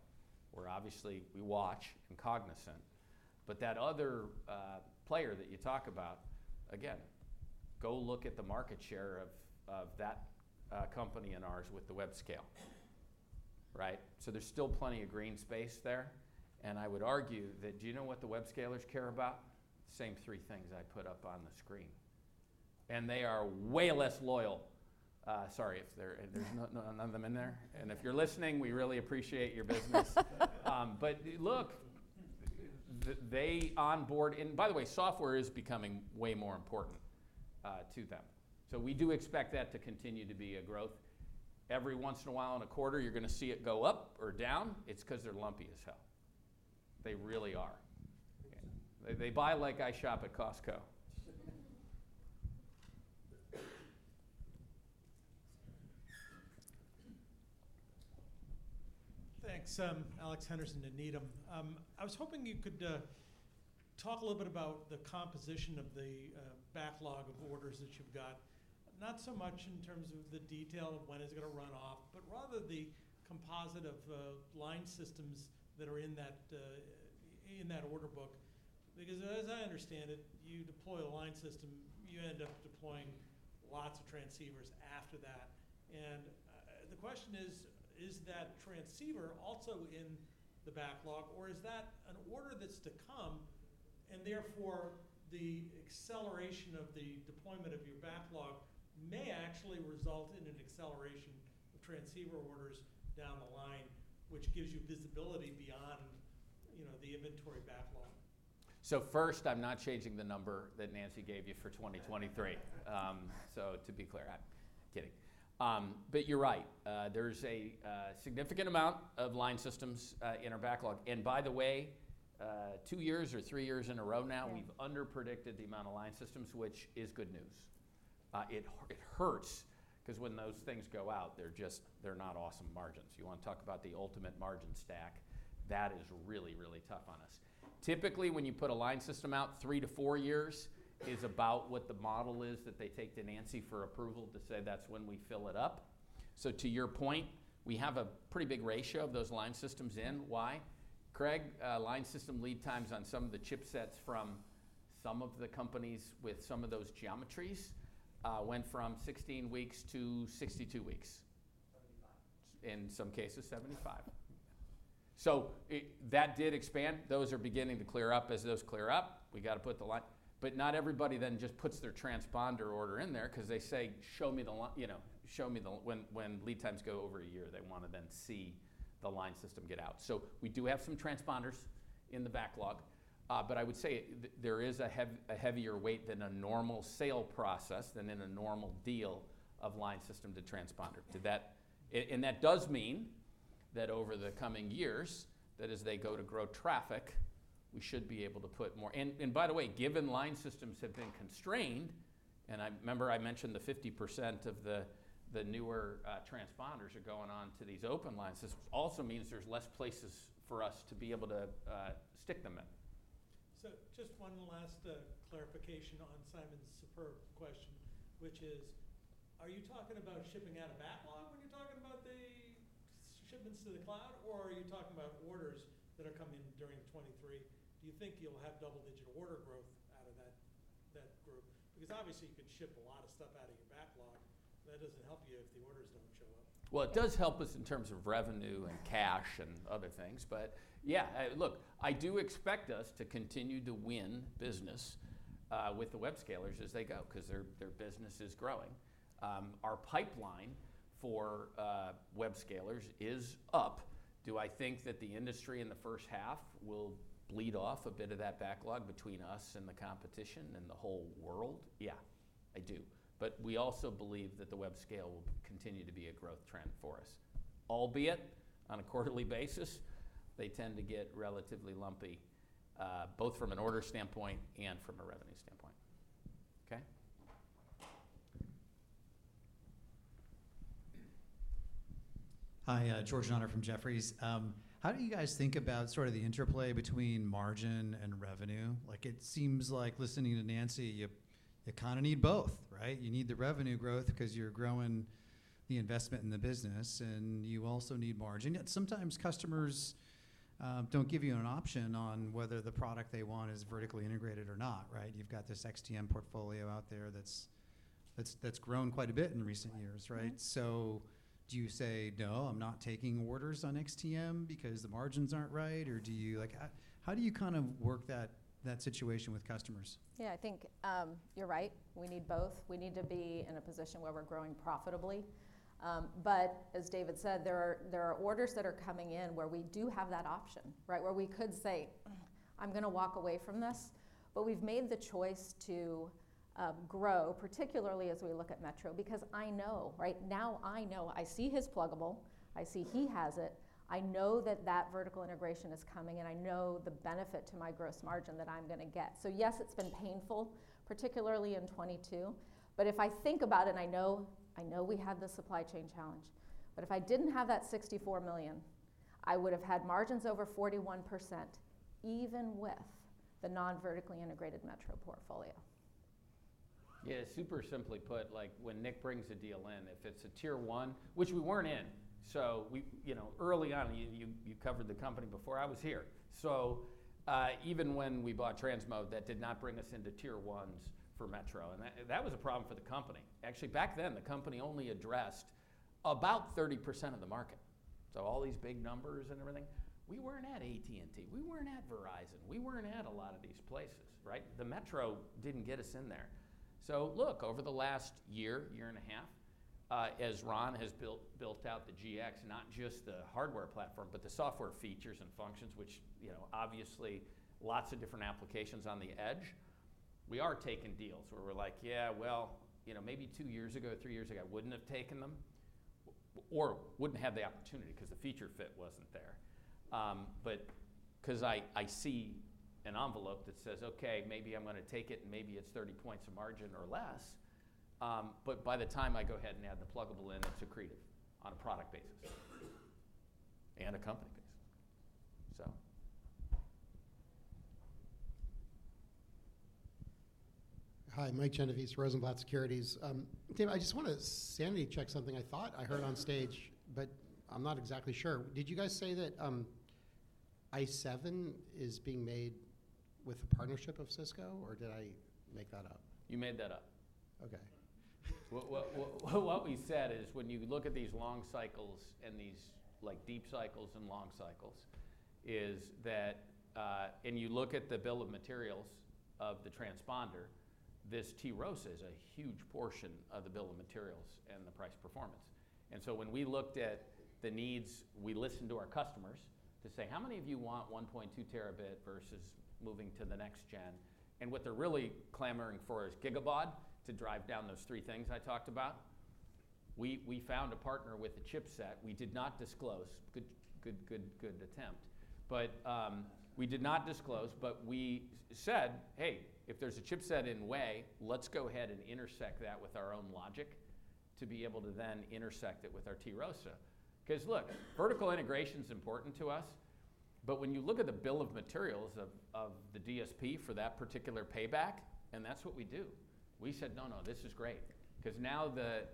where obviously we watch and cognizant. That other player that you talk about, again, go look at the market share of that company and ours with the web scale, right? There's still plenty of green space there, and I would argue that do you know what the web scalers care about? Same three things I put up on the screen. They are way less loyal. Sorry if there's none of them in there. If you're listening, we really appreciate your business. Look, they onboard... By the way, software is becoming way more important to them. We do expect that to continue to be a growth. Every once in a while in a quarter, you're gonna see it go up or down. It's 'cause they're lumpy as hell. They really are. They buy like I shop at Costco. Thanks. Alex Henderson, Needham. I was hoping you could talk a little bit about the composition of the backlog of orders that you've got, not so much in terms of the detail of when it's gonna run off, but rather the composite of line systems that are in that order book. As I understand it, you deploy a line system, you end up deploying lots of transceivers after that. The question is that transceiver also in the backlog, or is that an order that's to come, and therefore, the acceleration of the deployment of your backlog may actually result in an acceleration of transceiver orders down the line, which gives you visibility beyond, you know, the inventory backlog. First, I'm not changing the number that Nancy gave you for 2023. To be clear, I'm kidding. You're right. There's a significant amount of line systems in our backlog. By the way, two years or three years in a row now. Yeah We've underpredicted the amount of line systems, which is good news. It hurts ’cause when those things go out, they're not awesome margins. You wanna talk about the ultimate margin stack, that is really, really tough on us. Typically, when you put a line system out, three to four years is about what the model is that they take to Nancy for approval to say that's when we fill it up. To your point, we have a pretty big ratio of those line systems in. Why? Craig, line system lead times on some of the chipsets from some of the companies with some of those geometries went from 16 weeks to 62 weeks. In some cases, 75. That did expand. Those are beginning to clear up. As those clear up, we gotta put the line... Not everybody then just puts their transponder order in there 'cause they say, "Show me the, you know, show me the..." When lead times go over a year, they wanna then see the line system get out. We do have some transponders in the backlog, but I would say there is a heavier weight than a normal sale process than in a normal deal of line system to transponder. That does mean that over the coming years, that as they go to grow traffic, we should be able to put more. By the way, given line systems have been constrained, and I remember I mentioned the 50% of the newer transponders are going on to these open line systems, also means there's less places for us to be able to stick them in. Just one last clarification on Simon's superb question, which is, are you talking about shipping out of backlog when you're talking about the shipments to the cloud, or are you talking about orders that are coming during 2023? Do you think you'll have double-digit order growth out of that group? Because obviously, you can ship a lot of stuff out of your backlog, but that doesn't help you if the orders don't show up. It does help us in terms of revenue and cash and other things. I do expect us to continue to win business with the web scalers as they go 'cause their business is growing. Our pipeline for web scalers is up. Do I think that the industry in the first half will bleed off a bit of that backlog between us and the competition and the whole world? I do. We also believe that the web scale will continue to be a growth trend for us. Albeit, on a quarterly basis, they tend to get relatively lumpy, both from an order standpoint and from a revenue standpoint. Okay? Hi, George Notter from Jefferies. How do you guys think about sort of the interplay between margin and revenue? Like, it seems like listening to Nancy, you kinda need both, right? You need the revenue growth 'cause you're growing the investment in the business, and you also need margin. Yet sometimes customers don't give you an option on whether the product they want is vertically integrated or not, right? You've got this XTM portfolio out there that's grown quite a bit in recent years, right? Do you say, "No, I'm not taking orders on XTM because the margins aren't right?" Do you like. How do you kind of work that situation with customers? I think you're right. We need both. We need to be in a position where we're growing profitably. As David said, there are orders that are coming in where we do have that option, right? Where we could say, "I'm gonna walk away from this," we've made the choice to grow, particularly as we look at Metro, because I know, right? Now I know. I see his pluggable, I see he has it. I know that vertical integration is coming, I know the benefit to my gross margin that I'm gonna get. Yes, it's been painful, particularly in 2022, if I think about it, I know we had the supply chain challenge, if I didn't have that $64 million, I would have had margins over 41% even with the non-vertically integrated Metro portfolio. Yeah, super simply put, like, when Nick brings a deal in, if it's a Tier 1, which we weren't in. We, you know, early on, you, you covered the company before I was here. Even when we bought Transmode, that did not bring us into Tier 1s for Metro, and that was a problem for the company. Actually, back then, the company only addressed about 30% of the market. All these big numbers and everything, we weren't at AT&T, we weren't at Verizon, we weren't at a lot of these places, right? The Metro didn't get us in there. Look, over the last year and a half, as Ron has built out the GX, not just the hardware platform, but the software features and functions, which, you know, obviously lots of different applications on the edge, we are taking deals where we're like, "Yeah, well, you know, maybe two years ago, three years ago, I wouldn't have taken them or wouldn't have the opportunity 'cause the feature fit wasn't there." 'Cause I see an envelope that says, "Okay, maybe I'm gonna take it and maybe it's 30 points of margin or less," but by the time I go ahead and add the pluggable in, it's accretive on a product basis and a company basis. Hi, Mike Genovese, Rosenblatt Securities. Dave, I just want to sanity check something I thought I heard on stage, but I'm not exactly sure. Did you guys say that, ICE7 is being made with a partnership of Cisco, or did I make that up? You made that up. Okay. What we said is when you look at these long cycles and these, like, deep cycles and long cycles, is that. You look at the bill of materials of the transponder, this TROSA is a huge portion of the bill of materials and the price performance. When we looked at the needs, we listened to our customers to say, "How many of you want 1.2 Tb versus moving to the next gen?" What they're really clamoring for is gigabaud to drive down those three things I talked about. We found a partner with a chipset we did not disclose. Good attempt. We did not disclose, but we said, "Hey, if there's a chipset in way, let's go ahead and intersect that with our own logic to be able to then intersect it with our TROSA." Look, vertical integration's important to us, but when you look at the bill of materials of the DSP for that particular payback, and that's what we do. We said, "No, no, this is great." Now the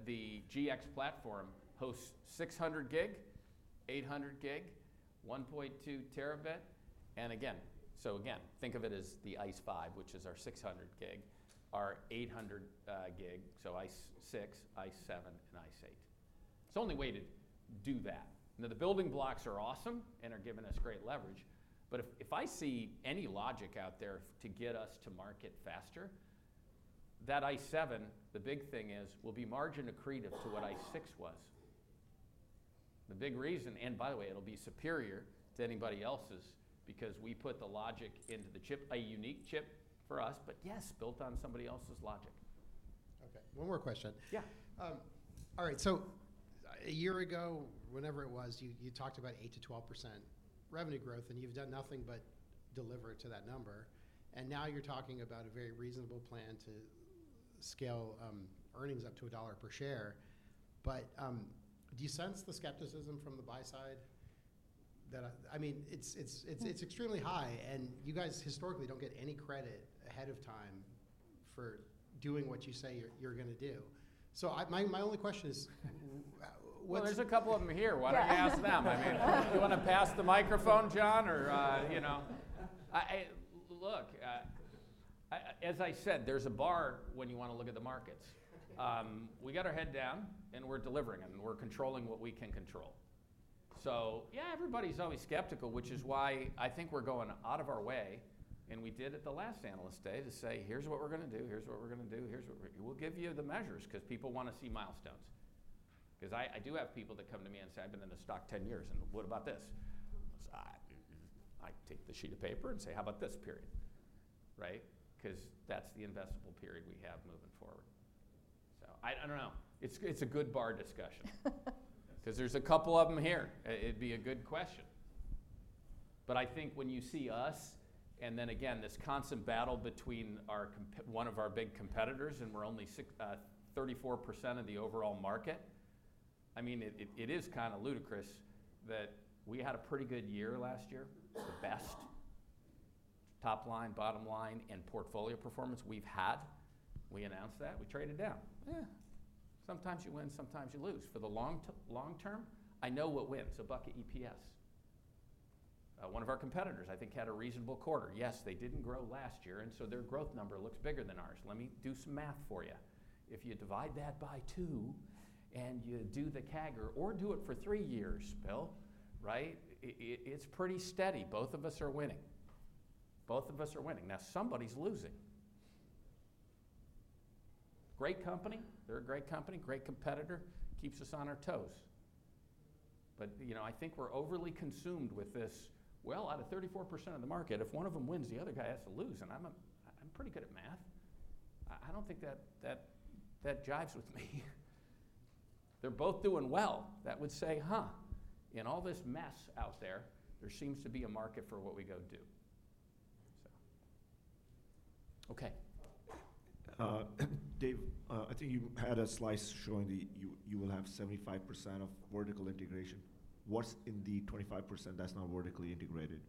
GX platform hosts 600 Gb, 800 Gb, 1.2 Tb. Again, think of it as the ICE5, which is our 600 Gb, our 800 Gb, so ICE6, ICE7, and ICE8. It's the only way to do that. The building blocks are awesome and are giving us great leverage, but if I see any logic out there to get us to market faster, that ICE7, the big thing is, will be margin accretive to what ICE6 was. The big reason, and by the way, it'll be superior to anybody else's because we put the logic into the chip. A unique chip for us, but yes, built on somebody else's logic. Okay. One more question. Yeah. All right. A year ago, whenever it was, you talked about 8%-12% revenue growth, you've done nothing but deliver to that number. Now you're talking about a very reasonable plan to scale earnings up to $1 per share. Do you sense the skepticism from the buy side that... I mean, it's extremely high, and you guys historically don't get any credit ahead of time for doing what you say you're gonna do. My only question is what's... Well, there's a couple of 'em here. Why don't we ask them? Yeah. I mean, do you wanna pass the microphone, John, or, you know? Look, as I said, there's a bar when you wanna look at the markets. We got our head down, and we're delivering, and we're controlling what we can control. Yeah, everybody's always skeptical, which is why I think we're going out of our way, and we did at the last Analyst Day, to say, "Here's what we're gonna do. Here's what we're gonna do. Here's what we'll give you the measures," 'cause people wanna see milestones. 'Cause I do have people that come to me and say, "I've been in the stock 10 years," and, "What about this?" I take the sheet of paper and say, "How about this period?" Right? 'Cause that's the investable period we have moving forward. I don't know. It's a good bar discussion. Because there's a couple of them here. It would be a good question. I think when you see us and then again, this constant battle between our one of our big competitors, and we're only 34% of the overall market. I mean, it is kind of ludicrous that we had a pretty good year last year. The best top line, bottom line, and portfolio performance we've had. We announced that, we traded down. Sometimes you win, sometimes you lose. For the long term, I know what wins. A bucket EPS. One of our competitors, I think, had a reasonable quarter. Yes, they didn't grow last year, and so their growth number looks bigger than ours. Let me do some math for you. If you divide that by two and you do the CAGR, or do it for three years, Bill, right? It's pretty steady. Both of us are winning. Both of us are winning. Now somebody's losing. Great company. They're a great company, great competitor, keeps us on our toes. You know, I think we're overly consumed with this, well, out of 34% of the market, if one of them wins, the other guy has to lose. I'm pretty good at math. I don't think that jives with me. They're both doing well. That would say, huh, in all this mess out there seems to be a market for what we go do. Okay. Dave, I think you had a slice showing that you will have 75% of vertical integration. What's in the 25% that's not vertically integrated?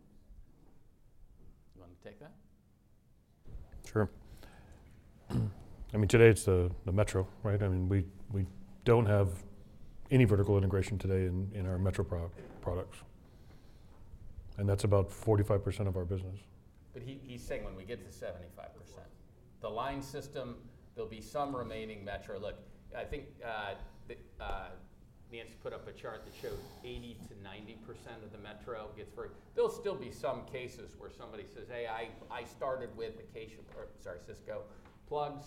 You want me to take that? Sure. I mean, today it's the metro, right? I mean, we don't have any vertical integration today in our metro products. That's about 45% of our business. He's saying when we get to 75%. The line system, there'll be some remaining metro. Look, I think, Nancy put up a chart that showed 80%-90% of the metro gets very... There'll still be some cases where somebody says, "Hey, I started with Acacia or sorry, Cisco plugs.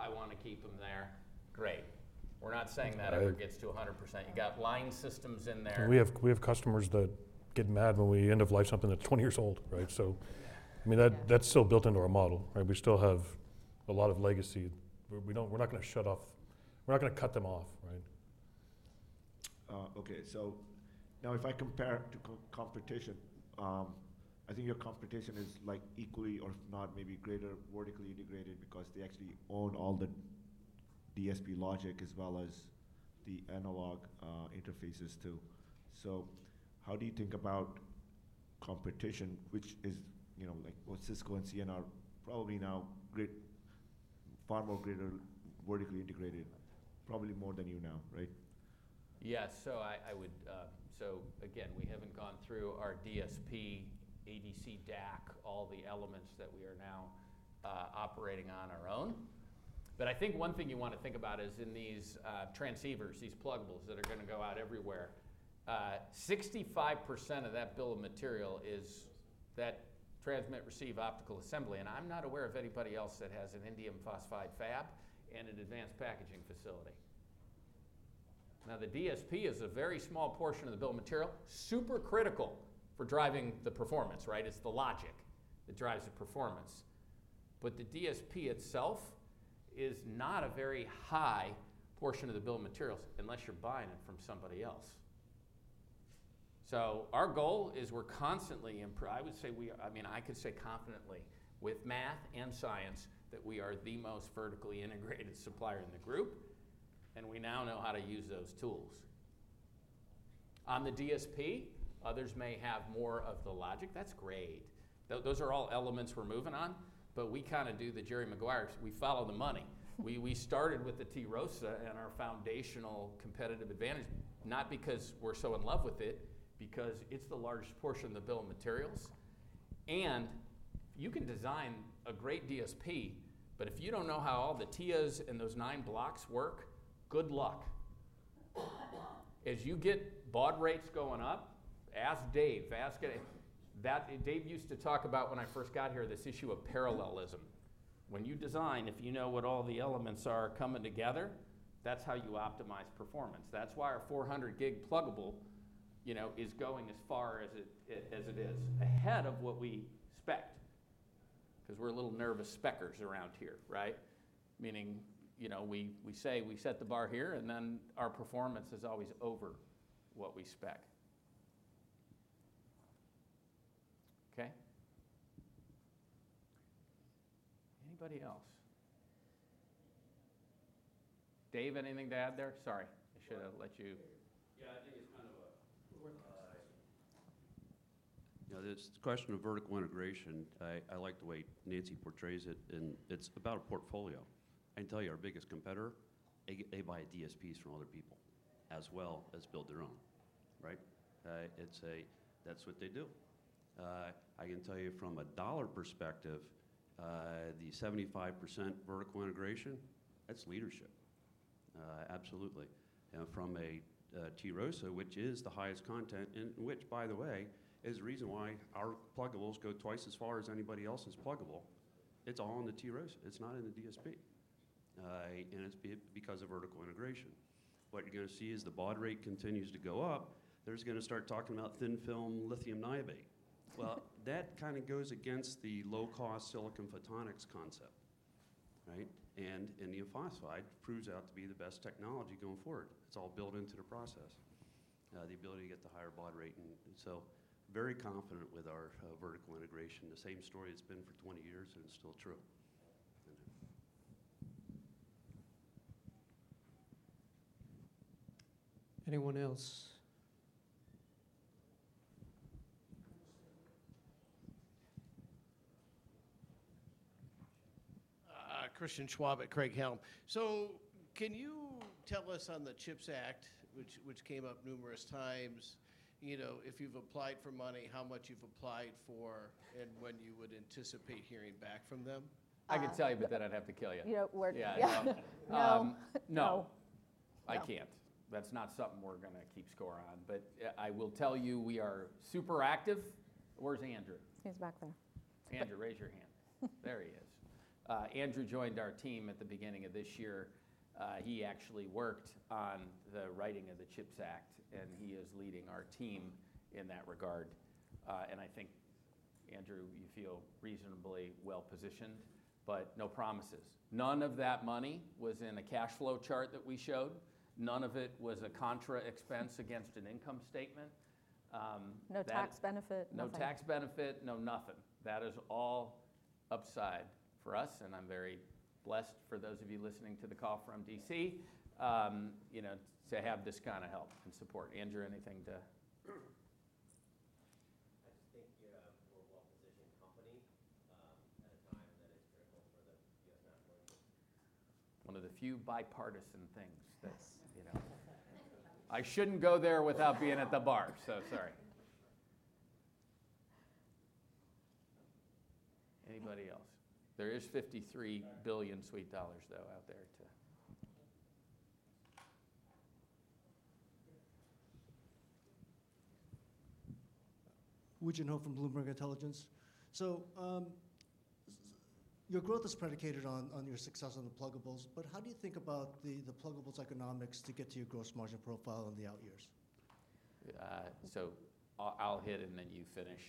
I wanna keep them there." Great. We're not saying that ever gets to 100%. You got line systems in there. We have customers that get mad when we end of life something that's 20 years old, right? I mean, that's still built into our model, right? We still have a lot of legacy. We're not gonna cut them off, right? Okay. Now if I compare to co-competition, I think your competition is, like, equally or if not maybe greater vertically integrated because they actually own all the DSP logic as well as the analog, interfaces too. How do you think about competition, which is, you know, like, well, Cisco and Ciena probably now far more greater vertically integrated, probably more than you now, right? Yes. I would, again, we haven't gone through our DSP, ADC, DAC, all the elements that we are now operating on our own. I think one thing you wanna think about is in these transceivers, these pluggables that are gonna go out everywhere, 65% of that bill of material is that transmit/receive optical assembly. I'm not aware of anybody else that has an indium phosphide fab and an advanced packaging facility. The DSP is a very small portion of the bill of material, super critical for driving the performance, right? It's the logic that drives the performance. The DSP itself is not a very high portion of the bill of materials unless you're buying it from somebody else. Our goal is we're constantly I would say we, I mean, I could say confidently with math and science that we are the most vertically integrated supplier in the group. We now know how to use those tools. On the DSP, others may have more of the logic. That's great. Those are all elements we're moving on, but we kinda do the Jerry Maguire, we follow the money. We started with the TROSA and our foundational competitive advantage, not because we're so in love with it, because it's the largest portion of the bill of materials. You can design a great DSP, but if you don't know how all the TIAs in those nine blocks work, good luck. As you get baud rates going up, ask Dave. Dave used to talk about when I first got here, this issue of parallelism. When you design, if you know what all the elements are coming together, that's how you optimize performance. That's why our 400 Gb pluggable, you know, is going as far as it, as it is, ahead of what we speced. 'Cause we're a little nervous specers around here, right? Meaning, you know, we say we set the bar here, and then our performance is always over what we spec. Okay. Anybody else? Dave, anything to add there? Sorry. I should have let you. Yeah, I think it's kind of. [Wreckless]. You know, this question of vertical integration, I like the way Nancy portrays it, and it's about a portfolio. I can tell you our biggest competitor, they buy DSPs from other people as well as build their own, right? That's what they do. I can tell you from a dollar perspective, the 75% vertical integration, that's leadership. Absolutely. You know, from a TROSA, which is the highest content and which by the way, is the reason why our pluggables go twice as far as anybody else's pluggable. It's all in the TROSA. It's not in the DSP. It's because of vertical integration. What you're gonna see as the baud rate continues to go up, they're just gonna start talking about thin-film lithium niobate. Well, that kinda goes against the low-cost silicon photonics concept. Right? Indium phosphide proves out to be the best technology going forward. It's all built into the process, the ability to get the higher baud rate. Very confident with our vertical integration. The same story it's been for 20 years, and it's still true. Anyone else? Christian Schwab at Craig-Hallum. Can you tell us on the CHIPS Act, which came up numerous times, you know, if you've applied for money, how much you've applied for and when you would anticipate hearing back from them? I could tell you, but then I'd have to kill you. You don't. Yeah, no. No. No. No. I can't. That's not something we're gonna keep score on. I will tell you, we are super active. Where's Andrew? He's back there. Andrew, raise your hand. There he is. Andrew joined our team at the beginning of this year. He actually worked on the writing of the CHIPS Act, and he is leading our team in that regard. I think, Andrew, you feel reasonably well positioned, but no promises. None of that money was in a cash flow chart that we showed. None of it was a contra expense against an income statement. No tax benefit, nothing. No tax benefit, no nothing. That is all upside for us. I'm very blessed, for those of you listening to the call from D.C., you know, to have this kind of help and support. Andrew, anything to... I just think you have a well-positioned company, at a time that is critical for the U.S. manufacturing. One of the few bipartisan things that's, you know... I shouldn't go there without being at the bar, so sorry. Anybody else? There is $53 billion sweet dollars, though, out there to... Your growth is predicated on your success on the pluggables, but how do you think about the pluggables economics to get to your gross margin profile in the out years? I'll hit and then you finish.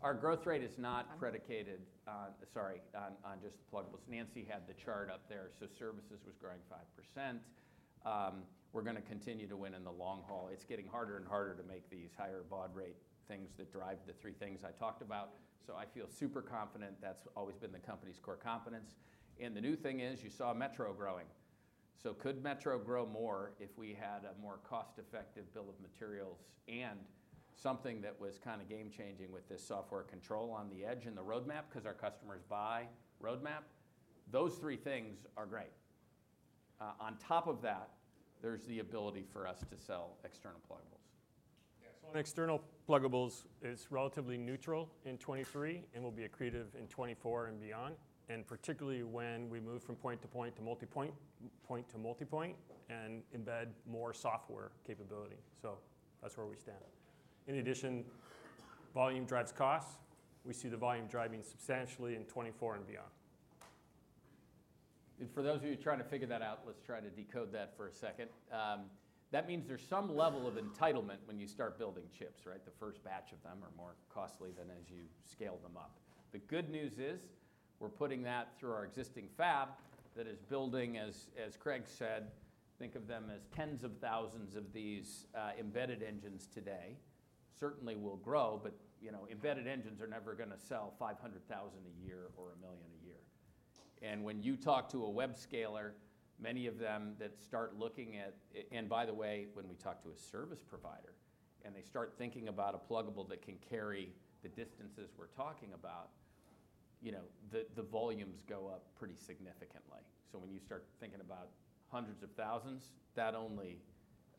Our growth rate is. I'm-... predicated on, sorry, on just the pluggables. Nancy had the chart up there. Services was growing 5%. we're gonna continue to win in the long haul. It's getting harder and harder to make these higher baud rate things that drive the three things I talked about. I feel super confident. That's always been the company's core competence. The new thing is you saw metro growing. Could metro grow more if we had a more cost-effective bill of materials and something that was kind of game-changing with this software control on the edge and the roadmap? Our customers buy roadmap. Those three things are great. On top of that, there's the ability for us to sell external pluggables. Yeah. On external pluggables, it's relatively neutral in 2023, and we'll be accretive in 2024 and beyond, and particularly when we move from point-to-point to multipoint, point-to-multipoint, and embed more software capability. That's where we stand. In addition, volume drives costs. We see the volume driving substantially in 2024 and beyond. For those of you trying to figure that out, let's try to decode that for a second. That means there's some level of entitlement when you start building chips, right? The first batch of them are more costly than as you scale them up. The good news is we're putting that through our existing fab that is building, as Craig said, think of them as tens of thousands of these embedded engines today. Certainly will grow, but, you know, embedded engines are never gonna sell 500,000 a year or one million a year. When you talk to a web scaler. By the way, when we talk to a service provider, and they start thinking about a pluggable that can carry the distances we're talking about, you know, the volumes go up pretty significantly. When you start thinking about hundreds of thousands, that only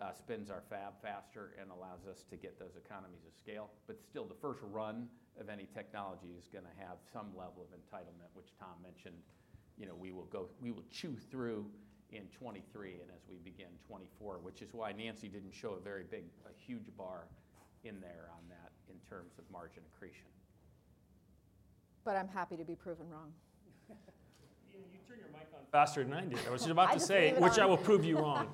spins our fab faster and allows us to get those economies of scale. Still, the first run of any technology is gonna have some level of entitlement, which Tom mentioned. You know, we will chew through in 2023 and as we begin 2024, which is why Nancy didn't show a very big, a huge bar in there on that in terms of margin accretion. I'm happy to be proven wrong. You turned your mic on faster than I did. I was just about to say- I just came on. Which I will prove you wrong.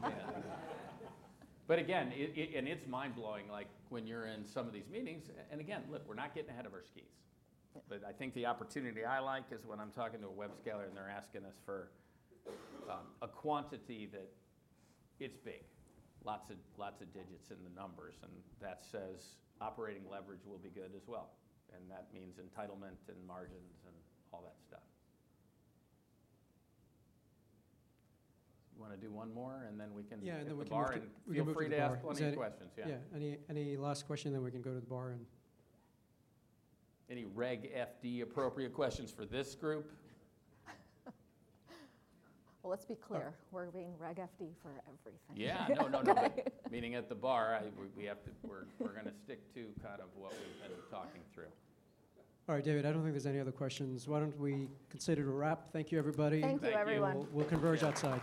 Again, it's mind-blowing, like when you're in some of these meetings. Again, look, we're not getting ahead of our skis. I think the opportunity I like is when I'm talking to a web scaler and they're asking us for a quantity that it's big. Lots of digits in the numbers, that says operating leverage will be good as well. That means entitlement and margins and all that stuff. You wanna do one more, and then we can hit the bar. Yeah, we can move to the bar. Feel free to ask plenty questions. Yeah. Yeah. Any last question, then we can go to the bar and... Any Regulation FD appropriate questions for this group? Well, let's be clear. We're being Regulation FD for everything. Yeah. No, no. Okay. Meaning at the bar, we're gonna stick to kind of what we've been talking through. All right, David, I don't think there's any other questions. Why don't we consider it a wrap? Thank you, everybody. Thank you, everyone. Thank you. We'll converge outside.